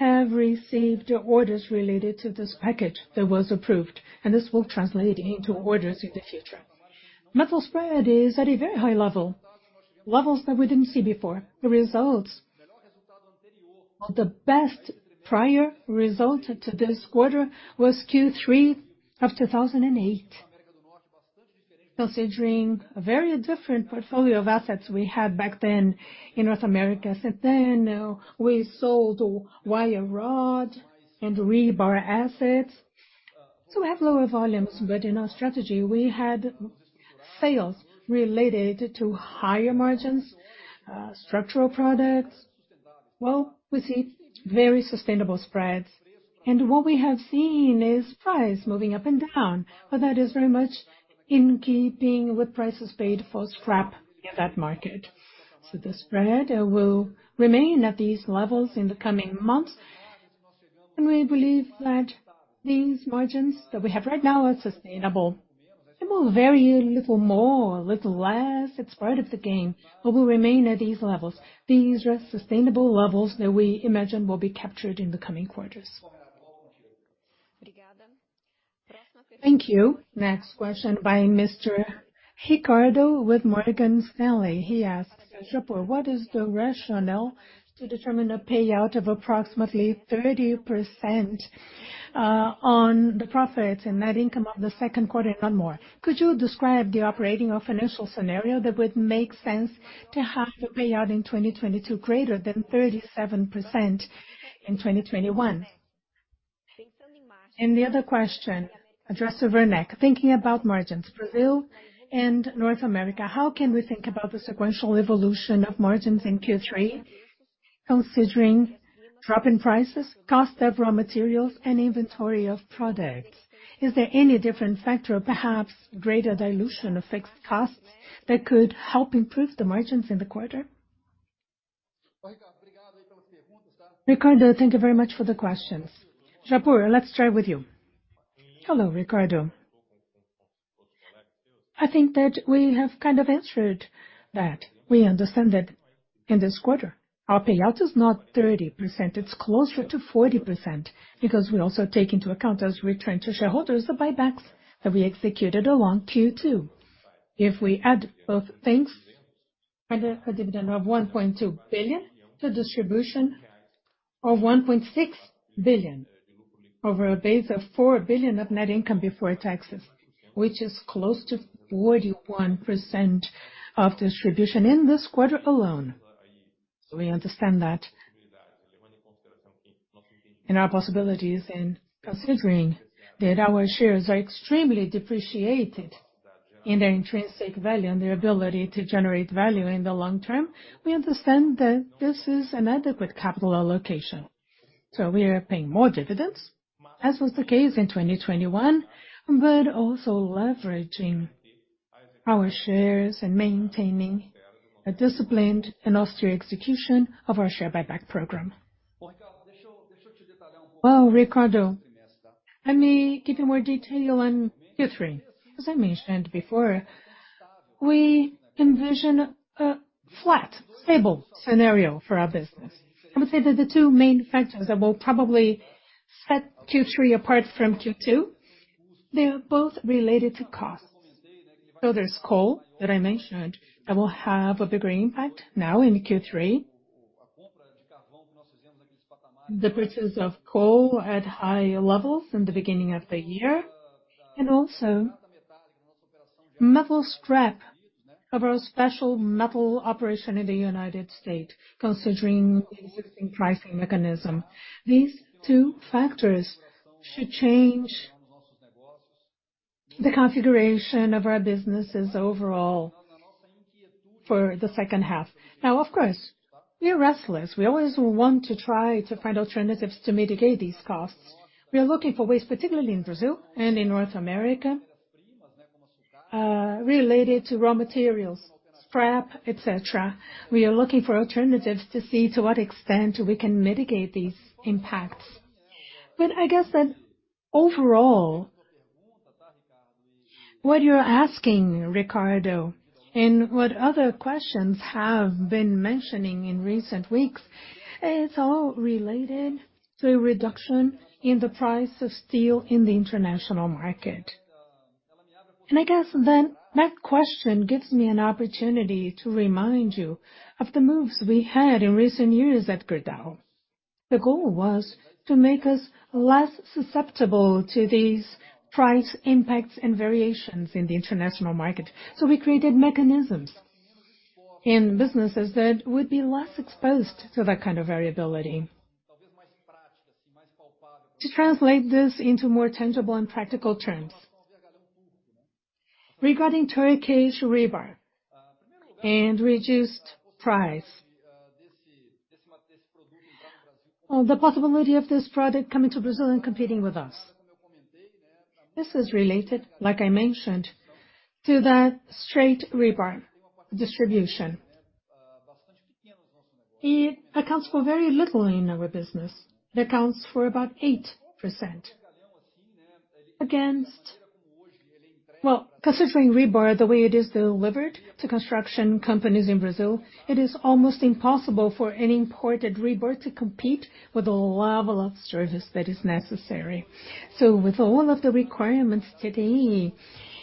have received orders related to this package that was approved, and this will translate into orders in the future. Metal spread is at a very high level, levels that we didn't see before. The best prior result to this quarter was Q3 of 2008. Considering a very different portfolio of assets we had back then in North America. Since then, we sold wire rod and rebar assets. We have lower volumes, but in our strategy, we had sales related to higher margins, structural products. Well, we see very sustainable spreads. What we have seen is price moving up and down, but that is very much in keeping with prices paid for scrap in that market. The spread will remain at these levels in the coming months, and we believe that these margins that we have right now are sustainable. It will vary a little more, a little less. It's part of the game, but will remain at these levels. These are sustainable levels that we imagine will be captured in the coming quarters. Thank you. Next question by Mr. Ricardo with Morgan Stanley. He asks, "Rafael Japur, what is the rationale to determine the payout of approximately 30%, on the profits and net income of the second quarter and not more? Could you describe the operating or financial scenario that would make sense to have the payout in 2022 greater than 37% in 2021? The other question addressed to Werneck. "Thinking about margins, Brazil and North America, how can we think about the sequential evolution of margins in Q3 considering drop in prices, cost of raw materials and inventory of products? Is there any different factor, perhaps greater dilution of fixed costs that could help improve the margins in the quarter?" Ricardo, thank you very much for the questions. Japur, let's start with you. Hello, Ricardo. I think that we have kind of answered that. We understand that in this quarter our payout is not 30%, it's closer to 40% because we also take into account as return to shareholders the buybacks that we executed along Q2. If we add both things and a dividend of 1.2 billion to distribution of 1.6 billion over a base of 4 billion of net income before taxes, which is close to 41% of distribution in this quarter alone. We understand that. Our possibilities in considering that our shares are extremely depreciated in their intrinsic value and their ability to generate value in the long term, we understand that this is an adequate capital allocation. We are paying more dividends, as was the case in 2021, but also leveraging our shares and maintaining a disciplined and austere execution of our share buyback program. Well, Ricardo, let me give you more detail on Q3. As I mentioned before, we envision a flat, stable scenario for our business. I would say that the two main factors that will probably set Q3 apart from Q2, they're both related to costs. There's coal that I mentioned that will have a bigger impact now in Q3. The purchase of coal at high levels in the beginning of the year, and also metal scrap of our special steel operation in the United States, considering the existing pricing mechanism. These two factors should change the configuration of our businesses overall for the second half. Now, of course, we are restless. We always want to try to find alternatives to mitigate these costs. We are looking for ways, particularly in Brazil and in North America, related to raw materials, scrap, et cetera. We are looking for alternatives to see to what extent we can mitigate these impacts. I guess that overall, what you're asking, Ricardo, and what other questions have been mentioning in recent weeks, it's all related to a reduction in the price of steel in the international market. I guess then that question gives me an opportunity to remind you of the moves we had in recent years at Gerdau. The goal was to make us less susceptible to these price impacts and variations in the international market. We created mechanisms in businesses that would be less exposed to that kind of variability. To translate this into more tangible and practical terms, regarding Turkish rebar and reduced price. The possibility of this product coming to Brazil and competing with us. This is related, like I mentioned, to the straight rebar distribution. It accounts for very little in our business. It accounts for about 8%. Well, considering rebar, the way it is delivered to construction companies in Brazil, it is almost impossible for an imported rebar to compete with the level of service that is necessary. With all of the requirements today,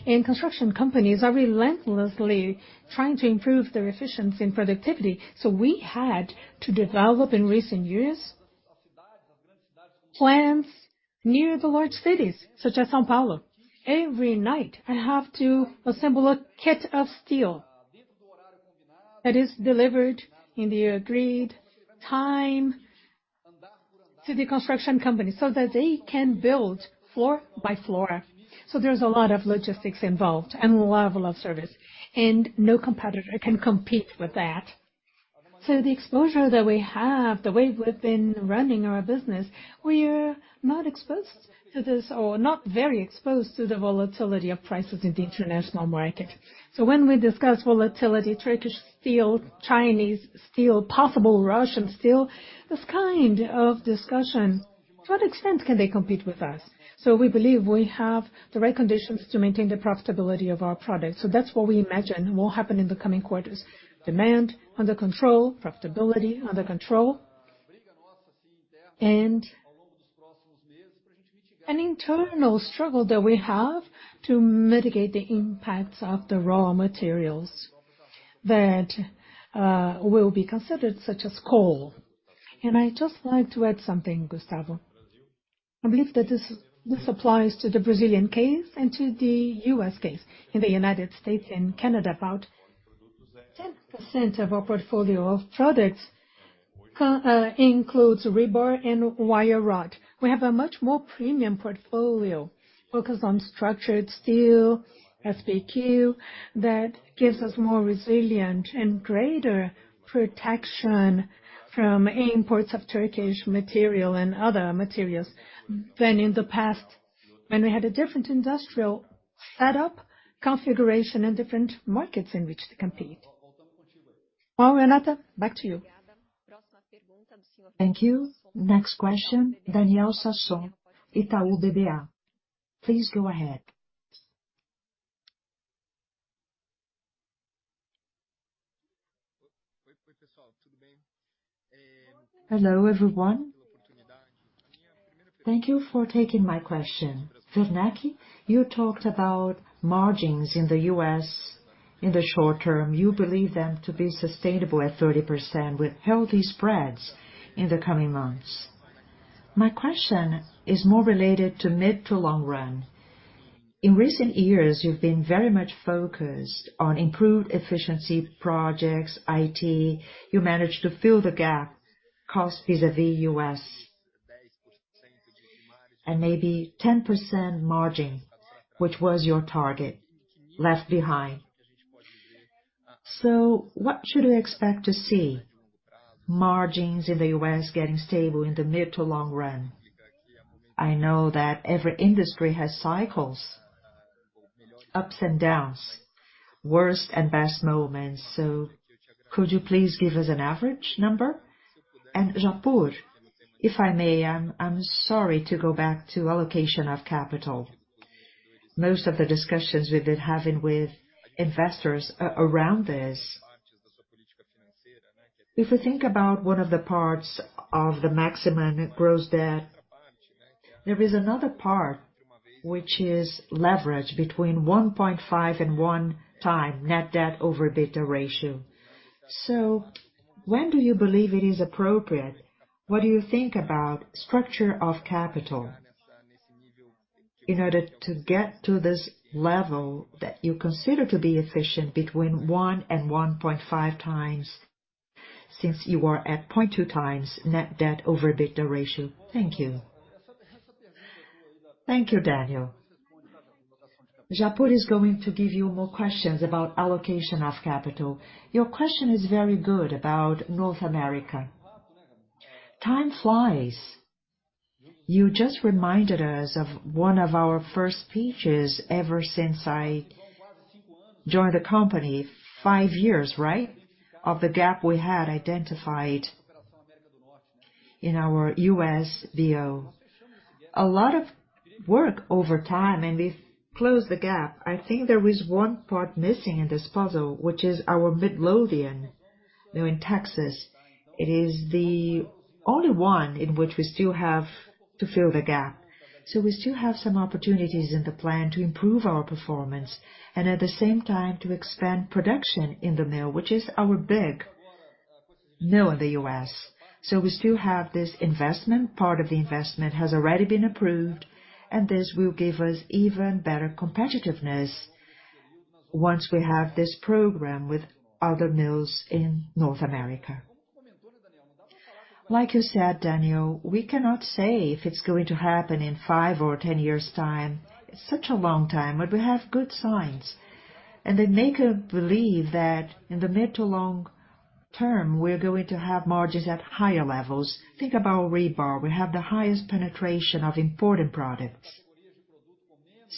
and construction companies are relentlessly trying to improve their efficiency and productivity. We had to develop in recent years plants near the large cities such as São Paulo. Every night, I have to assemble a kit of steel that is delivered in the agreed time. To the construction company, so that they can build floor by floor. There's a lot of logistics involved and level of service, and no competitor can compete with that. The exposure that we have, the way we've been running our business, we're not exposed to this or not very exposed to the volatility of prices in the international market. When we discuss volatility, Turkish steel, Chinese steel, possible Russian steel, this kind of discussion, to what extent can they compete with us? We believe we have the right conditions to maintain the profitability of our products. That's what we imagine will happen in the coming quarters. Demand under control, profitability under control. An internal struggle that we have to mitigate the impacts of the raw materials that will be considered, such as coal. I just like to add something, Gustavo. I believe that this applies to the Brazilian case and to the U.S. case. In the United States and Canada, about 10% of our portfolio of products includes rebar and wire rod. We have a much more premium portfolio focused on structural steel, SBQ, that gives us more resilient and greater protection from imports of Turkish material and other materials than in the past when we had a different industrial setup, configuration and different markets in which to compete. Well, Renata, back to you. Thank you. Next question, Daniel Sasson, Itaú BBA. Please go ahead. Hello, everyone. Thank you for taking my question. Gustavo Werneck, you talked about margins in the U.S. in the short term. You believe them to be sustainable at 30% with healthy spreads in the coming months. My question is more related to mid to long run. In recent years, you've been very much focused on improved efficiency projects, IT. You managed to fill the gap cost vis-à-vis US. Maybe 10% margin, which was your target, left behind. What should we expect to see margins in the US getting stable in the mid to long run? I know that every industry has cycles, ups and downs, worst and best moments. Could you please give us an average number? Japur, if I may, I'm sorry to go back to allocation of capital. Most of the discussions we've been having with investors around this. If we think about one of the parts of the maximum gross debt, there is another part which is leverage between 1.5x and 1x net debt to EBITDA ratio. When do you believe it is appropriate? What do you think about structure of capital in order to get to this level that you consider to be efficient between 1 and 1.5 times, since you are at 0.2 times net debt to EBITDA ratio? Thank you. Thank you, Daniel. Rafael Japur is going to give you more questions about allocation of capital. Your question is very good about North America. Time flies. You just reminded us of one of our first speeches ever since I joined the company 5 years, right? Of the gap we had identified in our U.S. ops. A lot of work over time, and we've closed the gap. I think there is one part missing in this puzzle, which is our Midlothian mill in Texas. It is the only one in which we still have to fill the gap. We still have some opportunities in the plan to improve our performance and at the same time to expand production in the mill, which is our big mill in the U.S. We still have this investment. Part of the investment has already been approved, and this will give us even better competitiveness once we have this program with other mills in North America. Like you said, Daniel, we cannot say if it's going to happen in 5 or 10 years' time. It's such a long time, but we have good signs. They make us believe that in the mid to long term, we're going to have margins at higher levels. Think about rebar. We have the highest penetration of imported products.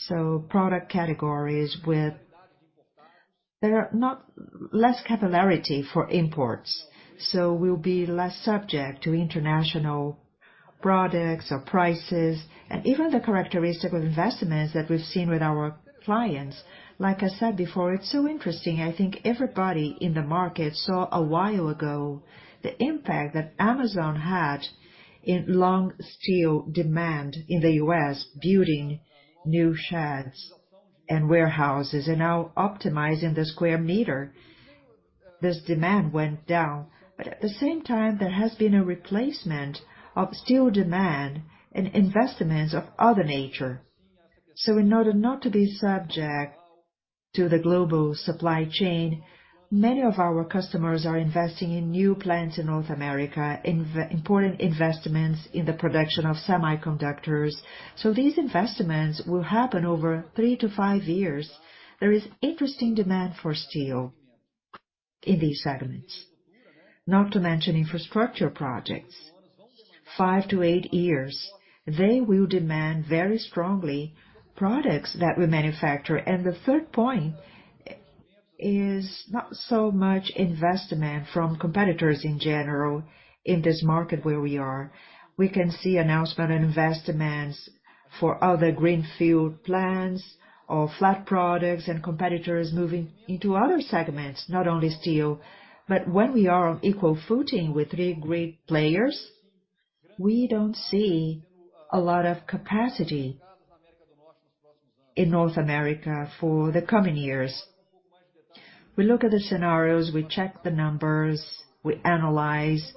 Product categories with there are not less capillarity for imports. We'll be less subject to international products or prices and even the characteristic of investments that we've seen with our clients. Like I said before, it's so interesting. I think everybody in the market saw a while ago the impact that Amazon had in long steel demand in the U.S., building new sheds and warehouses and now optimizing the square meter. This demand went down. At the same time, there has been a replacement of steel demand in investments of other nature. In order not to be subject to the global supply chain. Many of our customers are investing in new plants in North America, important investments in the production of semiconductors. These investments will happen over 3-5 years. There is interesting demand for steel in these segments, not to mention infrastructure projects. Five to eight years, they will demand very strongly products that we manufacture. The third point is not so much investment from competitors in general in this market where we are. We can see announcements on investments for other greenfield plants or flat steel and competitors moving into other segments, not only steel. When we are on equal footing with three great players, we don't see a lot of capacity in North America for the coming years. We look at the scenarios, we check the numbers, we analyze,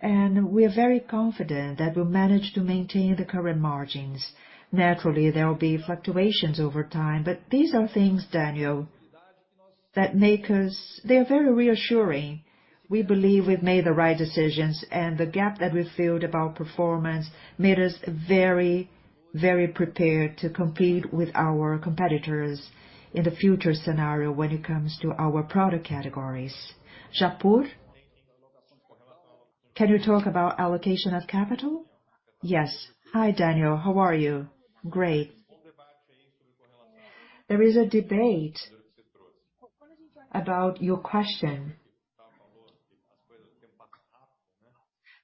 and we're very confident that we'll manage to maintain the current margins. Naturally, there will be fluctuations over time, but these are things, Daniel. They are very reassuring. We believe we've made the right decisions, and the gap that we filled about performance made us very, very prepared to compete with our competitors in the future scenario when it comes to our product categories. Japur, can you talk about allocation of capital? Yes. Hi, Daniel. How are you? Great. There is a debate about your question.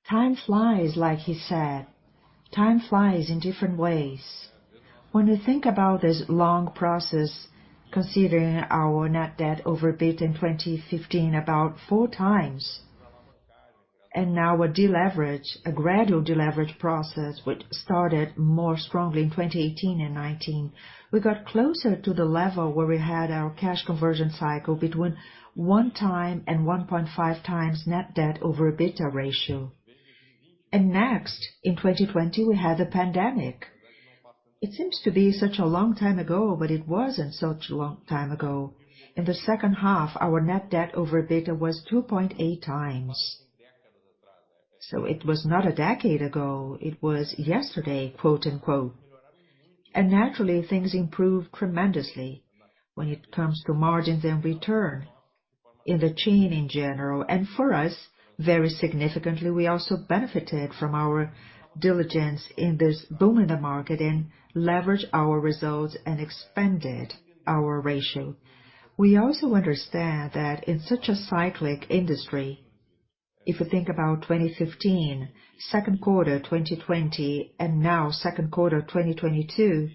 Time flies, like he said. Time flies in different ways. When you think about this long process, considering our net debt to EBITDA in 2015 about four times, and now a deleverage, a gradual deleverage process which started more strongly in 2018 and 2019. We got closer to the level where we had our cash conversion cycle between 1 time and 1.5 times net debt to EBITDA ratio. Next, in 2020, we had the pandemic. It seems to be such a long time ago, but it wasn't such a long time ago. In the second half, our net debt to EBITDA was 2.8 times. It was not a decade ago, it was yesterday, quote, unquote. Naturally, things improved tremendously when it comes to margins and return in the chain in general. For us, very significantly, we also benefited from our diligence in this boom in the market and leveraged our results and expanded our ratio. We also understand that in such a cyclical industry, if you think about 2015, second quarter 2020 and now second quarter of 2022,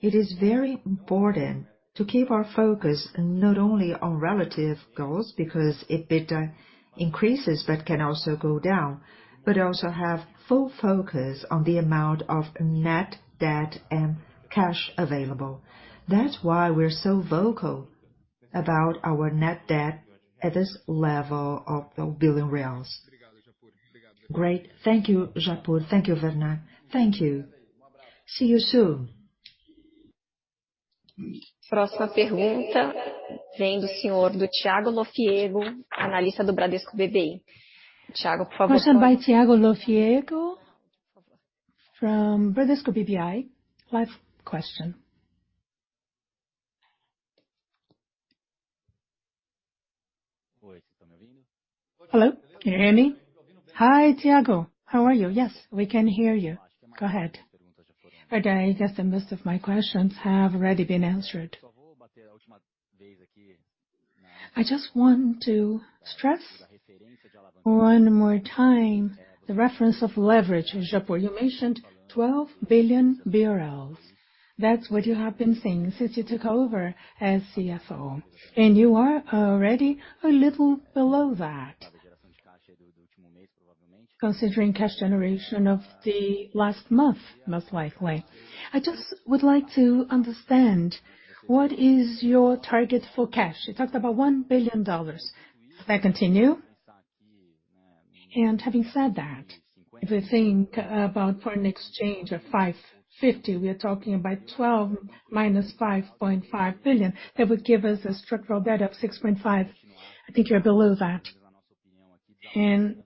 it is very important to keep our focus not only on relative goals, because if EBITDA increases, but can also go down, but also have full focus on the amount of net debt and cash available. That's why we're so vocal about our net debt at this level of BRL billion. Great. Thank you, Japur. Thank you, Werneck. Thank you. See you soon. Question by Thiago Lofiego from Bradesco BBI. Live question. Hello, can you hear me? Hi, Thiago. How are you? Yes, we can hear you. Go ahead. Okay. I guess most of my questions have already been answered. I just want to stress one more time the reference of leverage with Japur. You mentioned 12 billion BRL. That's what you have been seeing since you took over as CFO, and you are already a little below that. Considering cash generation of the last month, most likely. I just would like to understand what is your target for cash. You talked about $1 billion. Does that continue? And having said that, if we think about foreign exchange of 5.50, we are talking about 12 billion minus 5.5 billion. That would give us a structural debt of 6.5 billion. I think you're below that, and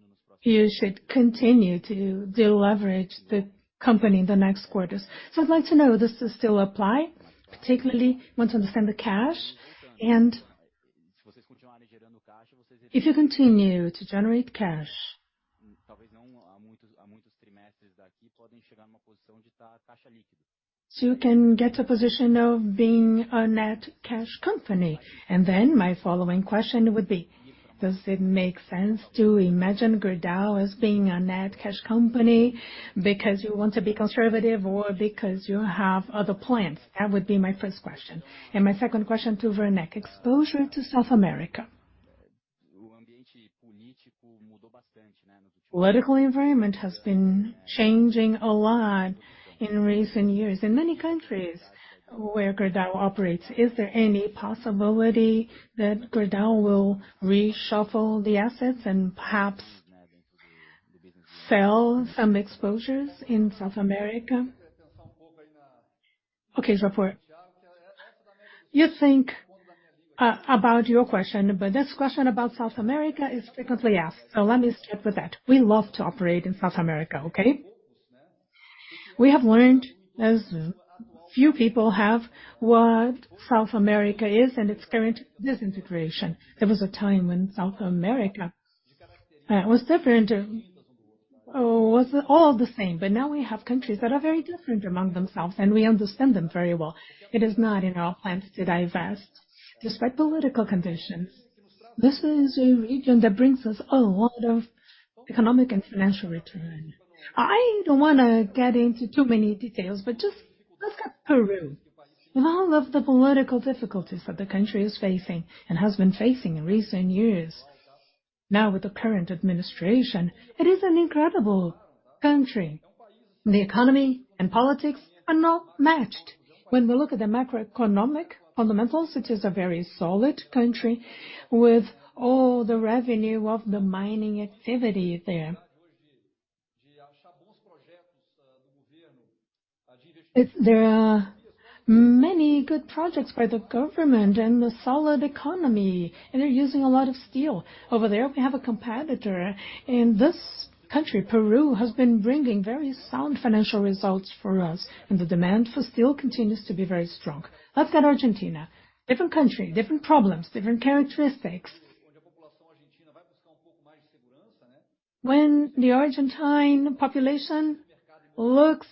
you should continue to deleverage the company in the next quarters. I'd like to know, does this still apply? Particularly, want to understand the cash. If you continue to generate cash, so you can get to a position of being a net cash company. Then my following question would be, does it make sense to imagine Gerdau as being a net cash company because you want to be conservative or because you have other plans? That would be my first question. My second question to Werneck, exposure to South America. Political environment has been changing a lot in recent years. In many countries where Gerdau operates, is there any possibility that Gerdau will reshuffle the assets and perhaps sell some exposures in South America. Okay, Japur. You think about your question, but this question about South America is frequently asked, so let me start with that. We love to operate in South America, okay? We have learned, as few people have, what South America is and its current disintegration. There was a time when South America was different or was all the same, but now we have countries that are very different among themselves, and we understand them very well. It is not in our plans to divest. Despite the political conditions, this is a region that brings us a lot of economic and financial return. I don't wanna get into too many details, but just look at Peru. With all of the political difficulties that the country is facing and has been facing in recent years, now with the current administration, it is an incredible country. The economy and politics are not matched. When we look at the macroeconomic fundamentals, it is a very solid country with all the revenue of the mining activity there. If there are many good projects by the government and the solid economy, and they're using a lot of steel. Over there, we have a competitor. This country, Peru, has been bringing very sound financial results for us, and the demand for steel continues to be very strong. Let's get Argentina. Different country, different problems, different characteristics. When the Argentine population looks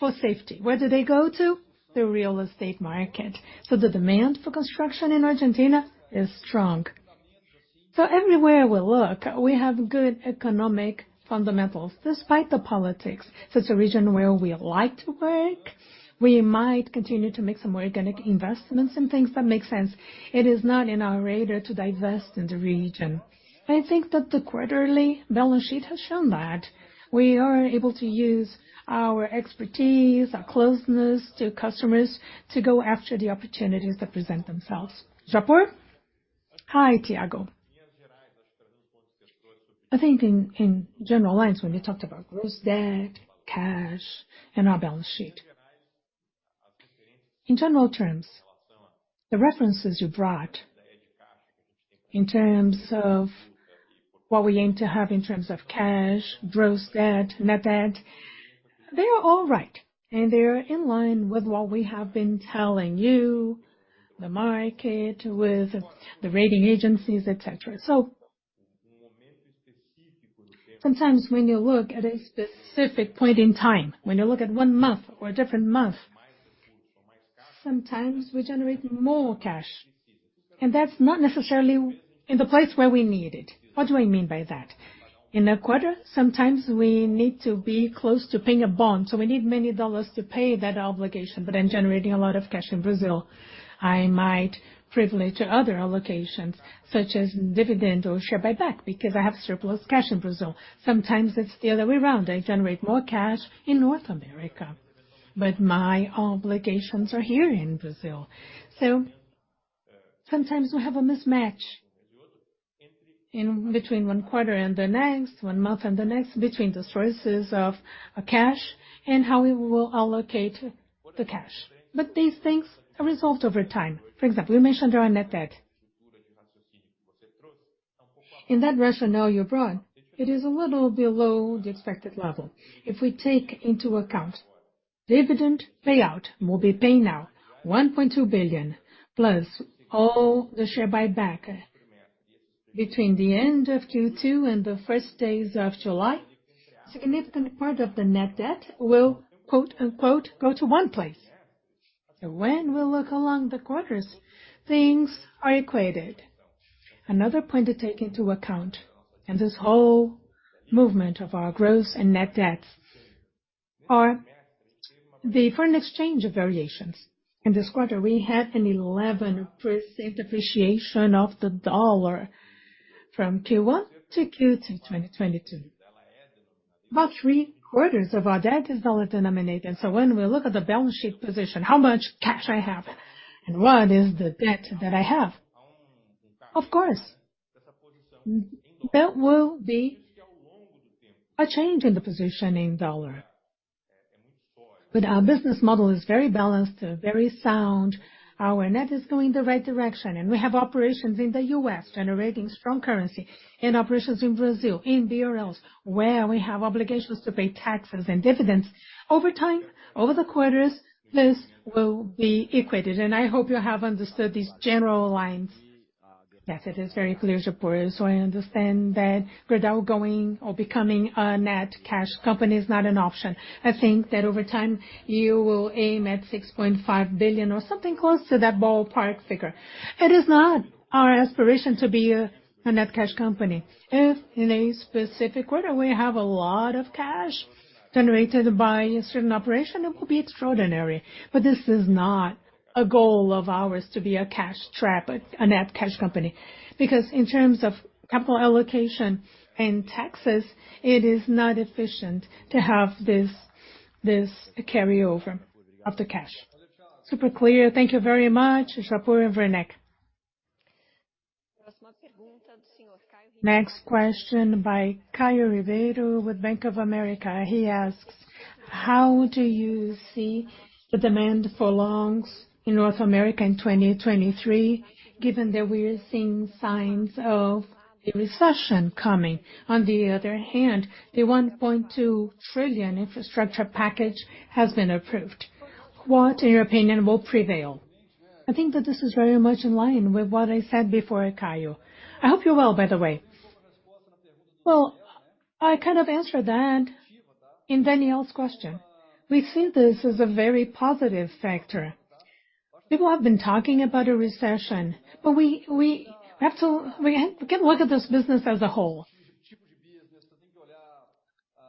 for safety, where do they go to? The real estate market. The demand for construction in Argentina is strong. Everywhere we look, we have good economic fundamentals, despite the politics. It's a region where we like to work. We might continue to make some organic investments in things that make sense. It is not in our radar to divest in the region. I think that the quarterly balance sheet has shown that we are able to use our expertise, our closeness to customers, to go after the opportunities that present themselves. Japur? Hi, Thiago. I think in general lines, when we talked about gross debt, cash and our balance sheet. In general terms, the references you brought in terms of what we aim to have in terms of cash, gross debt, net debt, they are all right, and they are in line with what we have been telling you, the market, with the rating agencies, et cetera. Sometimes when you look at a specific point in time, when you look at one month or a different month, sometimes we generate more cash, and that's not necessarily in the place where we need it. What do I mean by that? In a quarter, sometimes we need to be close to paying a bond, so we need many dollars to pay that obligation. In generating a lot of cash in Brazil, I might privilege other allocations, such as dividend or share buyback, because I have surplus cash in Brazil. Sometimes it's the other way around. I generate more cash in North America, but my obligations are here in Brazil. Sometimes we have a mismatch in between one quarter and the next, one month and the next, between the sources of cash and how we will allocate the cash. These things are resolved over time. For example, you mentioned our net debt. In that rationale you brought, it is a little below the expected level. If we take into account dividend payout, we'll be paying out 1.2 billion plus all the share buyback between the end of Q2 and the first days of July, significant part of the net debt will, quote-unquote, "go to one place." When we look along the quarters, things are equated. Another point to take into account in this whole movement of our gross and net debts are the foreign exchange variations. In this quarter, we had an 11% appreciation of the dollar from Q1 to Q2 2022. About three-quarters of our debt is dollar-denominated, so when we look at the balance sheet position, how much cash I have and what is the debt that I have, of course, there will be a change in the position in dollar. Our business model is very balanced, very sound. Our net is going the right direction, and we have operations in the US generating strong currency and operations in Brazil, in BRL, where we have obligations to pay taxes and dividends. Over time, over the quarters, this will be equated. I hope you have understood these general lines. Yes, it is very clear, Japur. I understand that without going or becoming a net cash company is not an option. I think that over time, you will aim at 6.5 billion or something close to that ballpark figure. It is not our aspiration to be a net cash company. If in a specific quarter we have a lot of cash generated by a certain operation, it will be extraordinary. This is not a goal of ours to be a cash trap, a net cash company, because in terms of capital allocation and taxes, it is not efficient to have this carryover of the cash. Super clear. Thank you very much, Rafael Japur and Gustavo Werneck. Next question by Caio Ribeiro with Bank of America. He asks, "How do you see the demand for longs in North America in 2023, given that we are seeing signs of a recession coming? On the other hand, the $1.2 trillion infrastructure package has been approved. What, in your opinion, will prevail?" I think that this is very much in line with what I said before, Caio. I hope you're well, by the way. Well, I kind of answered that in Daniel's question. We've seen this as a very positive factor. People have been talking about a recession, but we have to look at this business as a whole.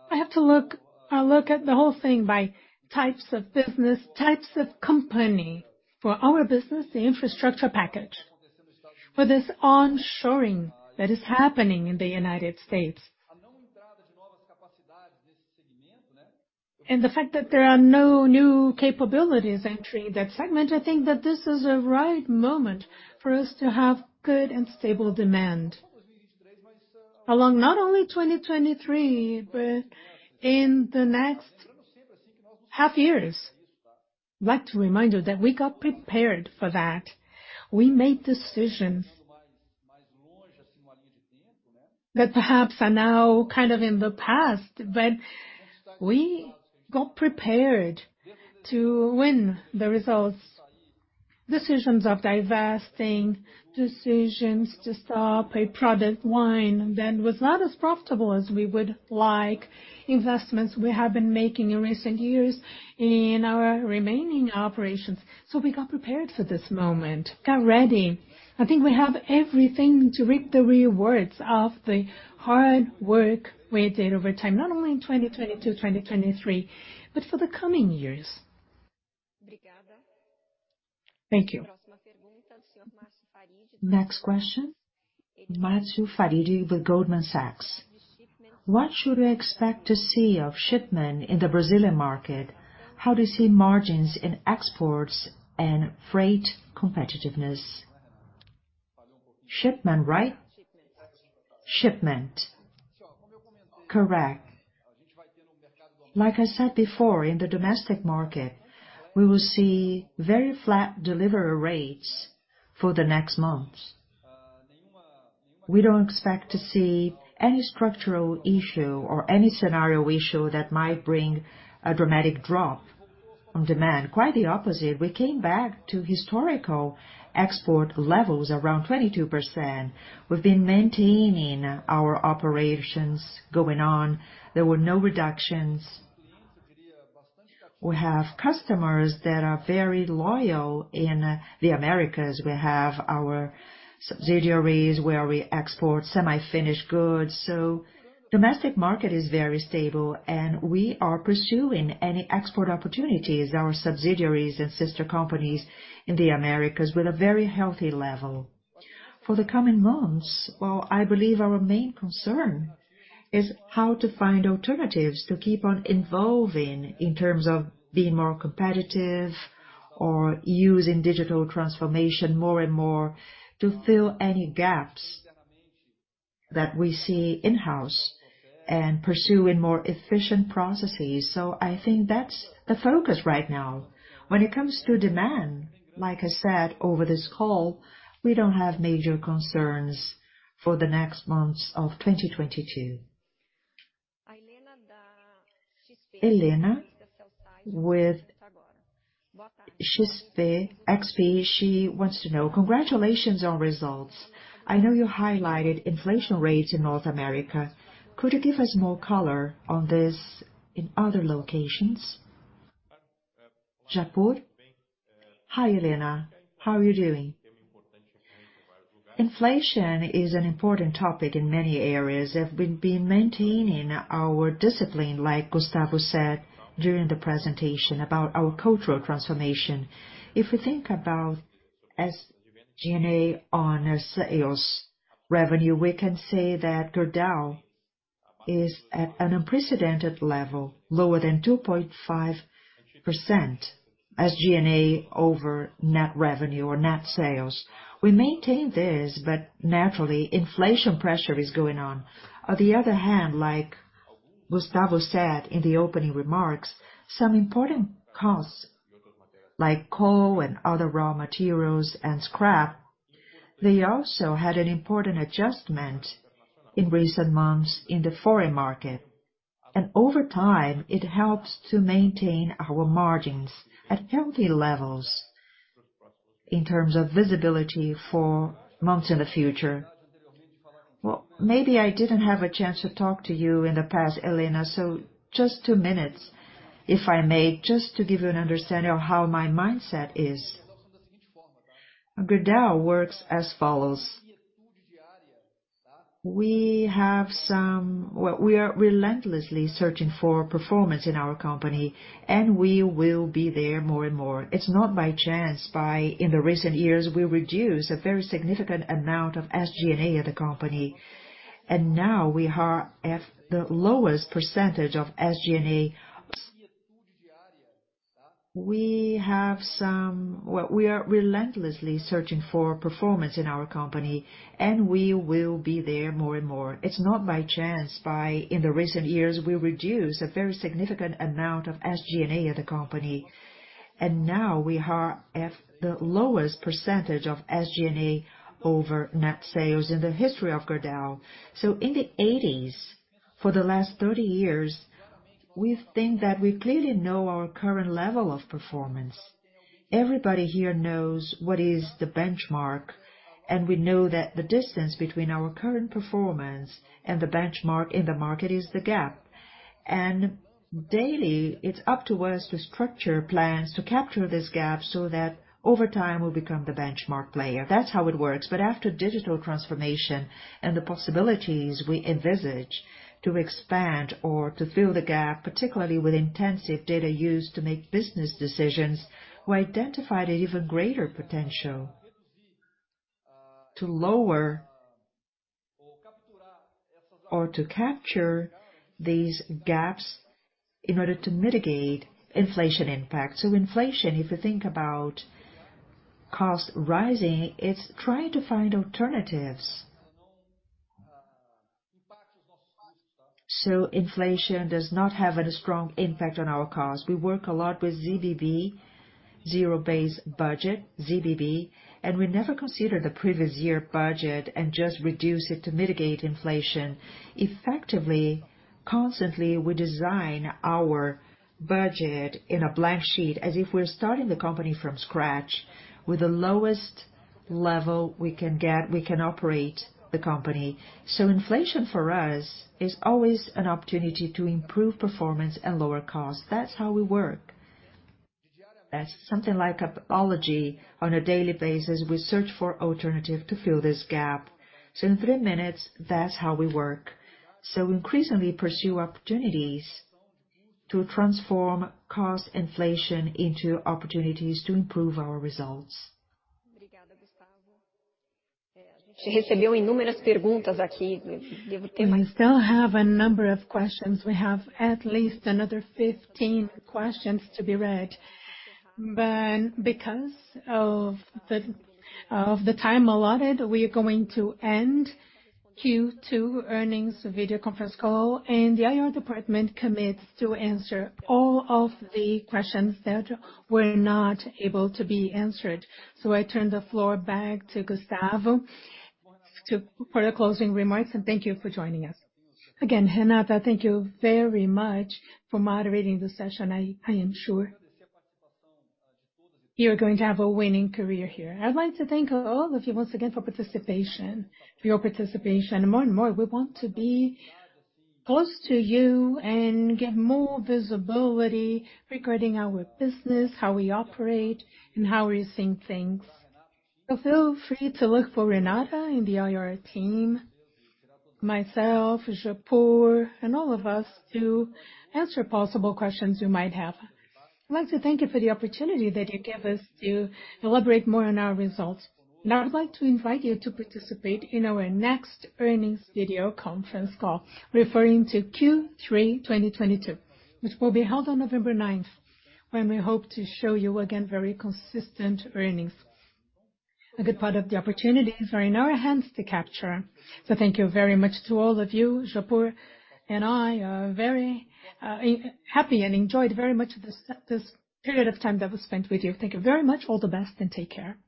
I have to look at the whole thing by types of business, types of company. For our business, the infrastructure package. For this onshoring that is happening in the United States. The fact that there are no new capabilities entering that segment, I think that this is the right moment for us to have good and stable demand. All along, not only 2023, but in the next half years. I'd like to remind you that we got prepared for that. We made decisions that perhaps are now kind of in the past, but we got prepared to win the results. Decisions of divesting, decisions to stop a product line that was not as profitable as we would like, investments we have been making in recent years in our remaining operations. We got prepared for this moment. Got ready. I think we have everything to reap the rewards of the hard work we did over time, not only in 2022, 2023, but for the coming years. Thank you. Next question, Marcio Farid with Goldman Sachs. What should we expect to see of shipment in the Brazilian market? How do you see margins in exports and freight competitiveness?" Shipment, right? Correct. Like I said before, in the domestic market, we will see very flat delivery rates for the next months. We don't expect to see any structural issue or any scenario issue that might bring a dramatic drop on demand. Quite the opposite. We came back to historical export levels around 22%. We've been maintaining our operations going on. There were no reductions. We have customers that are very loyal in the Americas. We have our subsidiaries where we export semi-finished goods. Domestic market is very stable, and we are pursuing any export opportunities, our subsidiaries and sister companies in the Americas with a very healthy level. For the coming months, well, I believe our main concern is how to find alternatives to keep on evolving in terms of being more competitive or using digital transformation more and more to fill any gaps that we see in-house and pursue in more efficient processes. I think that's the focus right now. When it comes to demand, like I said over this call, we don't have major concerns for the next months of 2022. Yuri with XP. She wants to know, "Congratulations on results. I know you highlighted inflation rates in North America. Could you give us more color on this in other locations?" Japur? Hi, Yuri. How are you doing? Inflation is an important topic in many areas. We've been maintaining our discipline, like Gustavo said during the presentation about our cultural transformation. If we think about SG&A on sales revenue, we can say that Gerdau is at an unprecedented level, lower than 2.5% SG&A over net revenue or net sales. We maintain this, but naturally, inflation pressure is going on. On the other hand, like Gustavo said in the opening remarks, some important costs like coal and other raw materials and scrap, they also had an important adjustment in recent months in the foreign market. Over time, it helps to maintain our margins at healthy levels in terms of visibility for months in the future. Well, maybe I didn't have a chance to talk to you in the past, Yuri, so just two minutes, if I may, just to give you an understanding of how my mindset is. Gerdau works as follows. We have some. We are relentlessly searching for performance in our company, and we will be there more and more. It's not by chance, but in the recent years, we reduced a very significant amount of SG&A at the company. Now we are at the lowest percentage of SG&A over net sales in the history of Gerdau. In the eighties, for the last 30 years, we think that we clearly know our current level of performance. Everybody here knows what is the benchmark, and we know that the distance between our current performance and the benchmark in the market is the gap. Daily, it's up to us to structure plans to capture this gap so that over time we'll become the benchmark player. That's how it works. After digital transformation and the possibilities we envisage to expand or to fill the gap, particularly with intensive data used to make business decisions, we identified an even greater potential to lower or to capture these gaps in order to mitigate inflation impact. Inflation, if you think about cost rising, it's trying to find alternatives so inflation does not have a strong impact on our cost. We work a lot with ZBB, zero-based budget, ZBB, and we never consider the previous year budget and just reduce it to mitigate inflation. Effectively, constantly, we design our budget in a blank sheet as if we're starting the company from scratch with the lowest level we can get we can operate the company. Inflation, for us, is always an opportunity to improve performance and lower costs. That's how we work. That's something like a policy on a daily basis. We search for alternative to fill this gap. In three minutes, that's how we work. Increasingly pursue opportunities to transform cost inflation into opportunities to improve our results. We still have a number of questions. We have at least another 15 questions to be read. Because of the time allotted, we are going to end Q2 earnings video conference call, and the IR department commits to answer all of the questions that were not able to be answered. I turn the floor back to Gustavo for the closing remarks, and thank you for joining us. Again, Renata, thank you very much for moderating this session. I am sure you're going to have a winning career here. I'd like to thank all of you once again for your participation. More and more, we want to be close to you and get more visibility regarding our business, how we operate, and how we're seeing things. So feel free to look for Renata and the IR team, myself, Japur, and all of us to answer possible questions you might have. I'd like to thank you for the opportunity that you gave us to elaborate more on our results. Now I'd like to invite you to participate in our next earnings video conference call, referring to Q3 2022, which will be held on November ninth, when we hope to show you again very consistent earnings. A good part of the opportunities are in our hands to capture. Thank you very much to all of you. Japur and I are very happy and enjoyed very much this period of time that was spent with you. Thank you very much. All the best, and take care.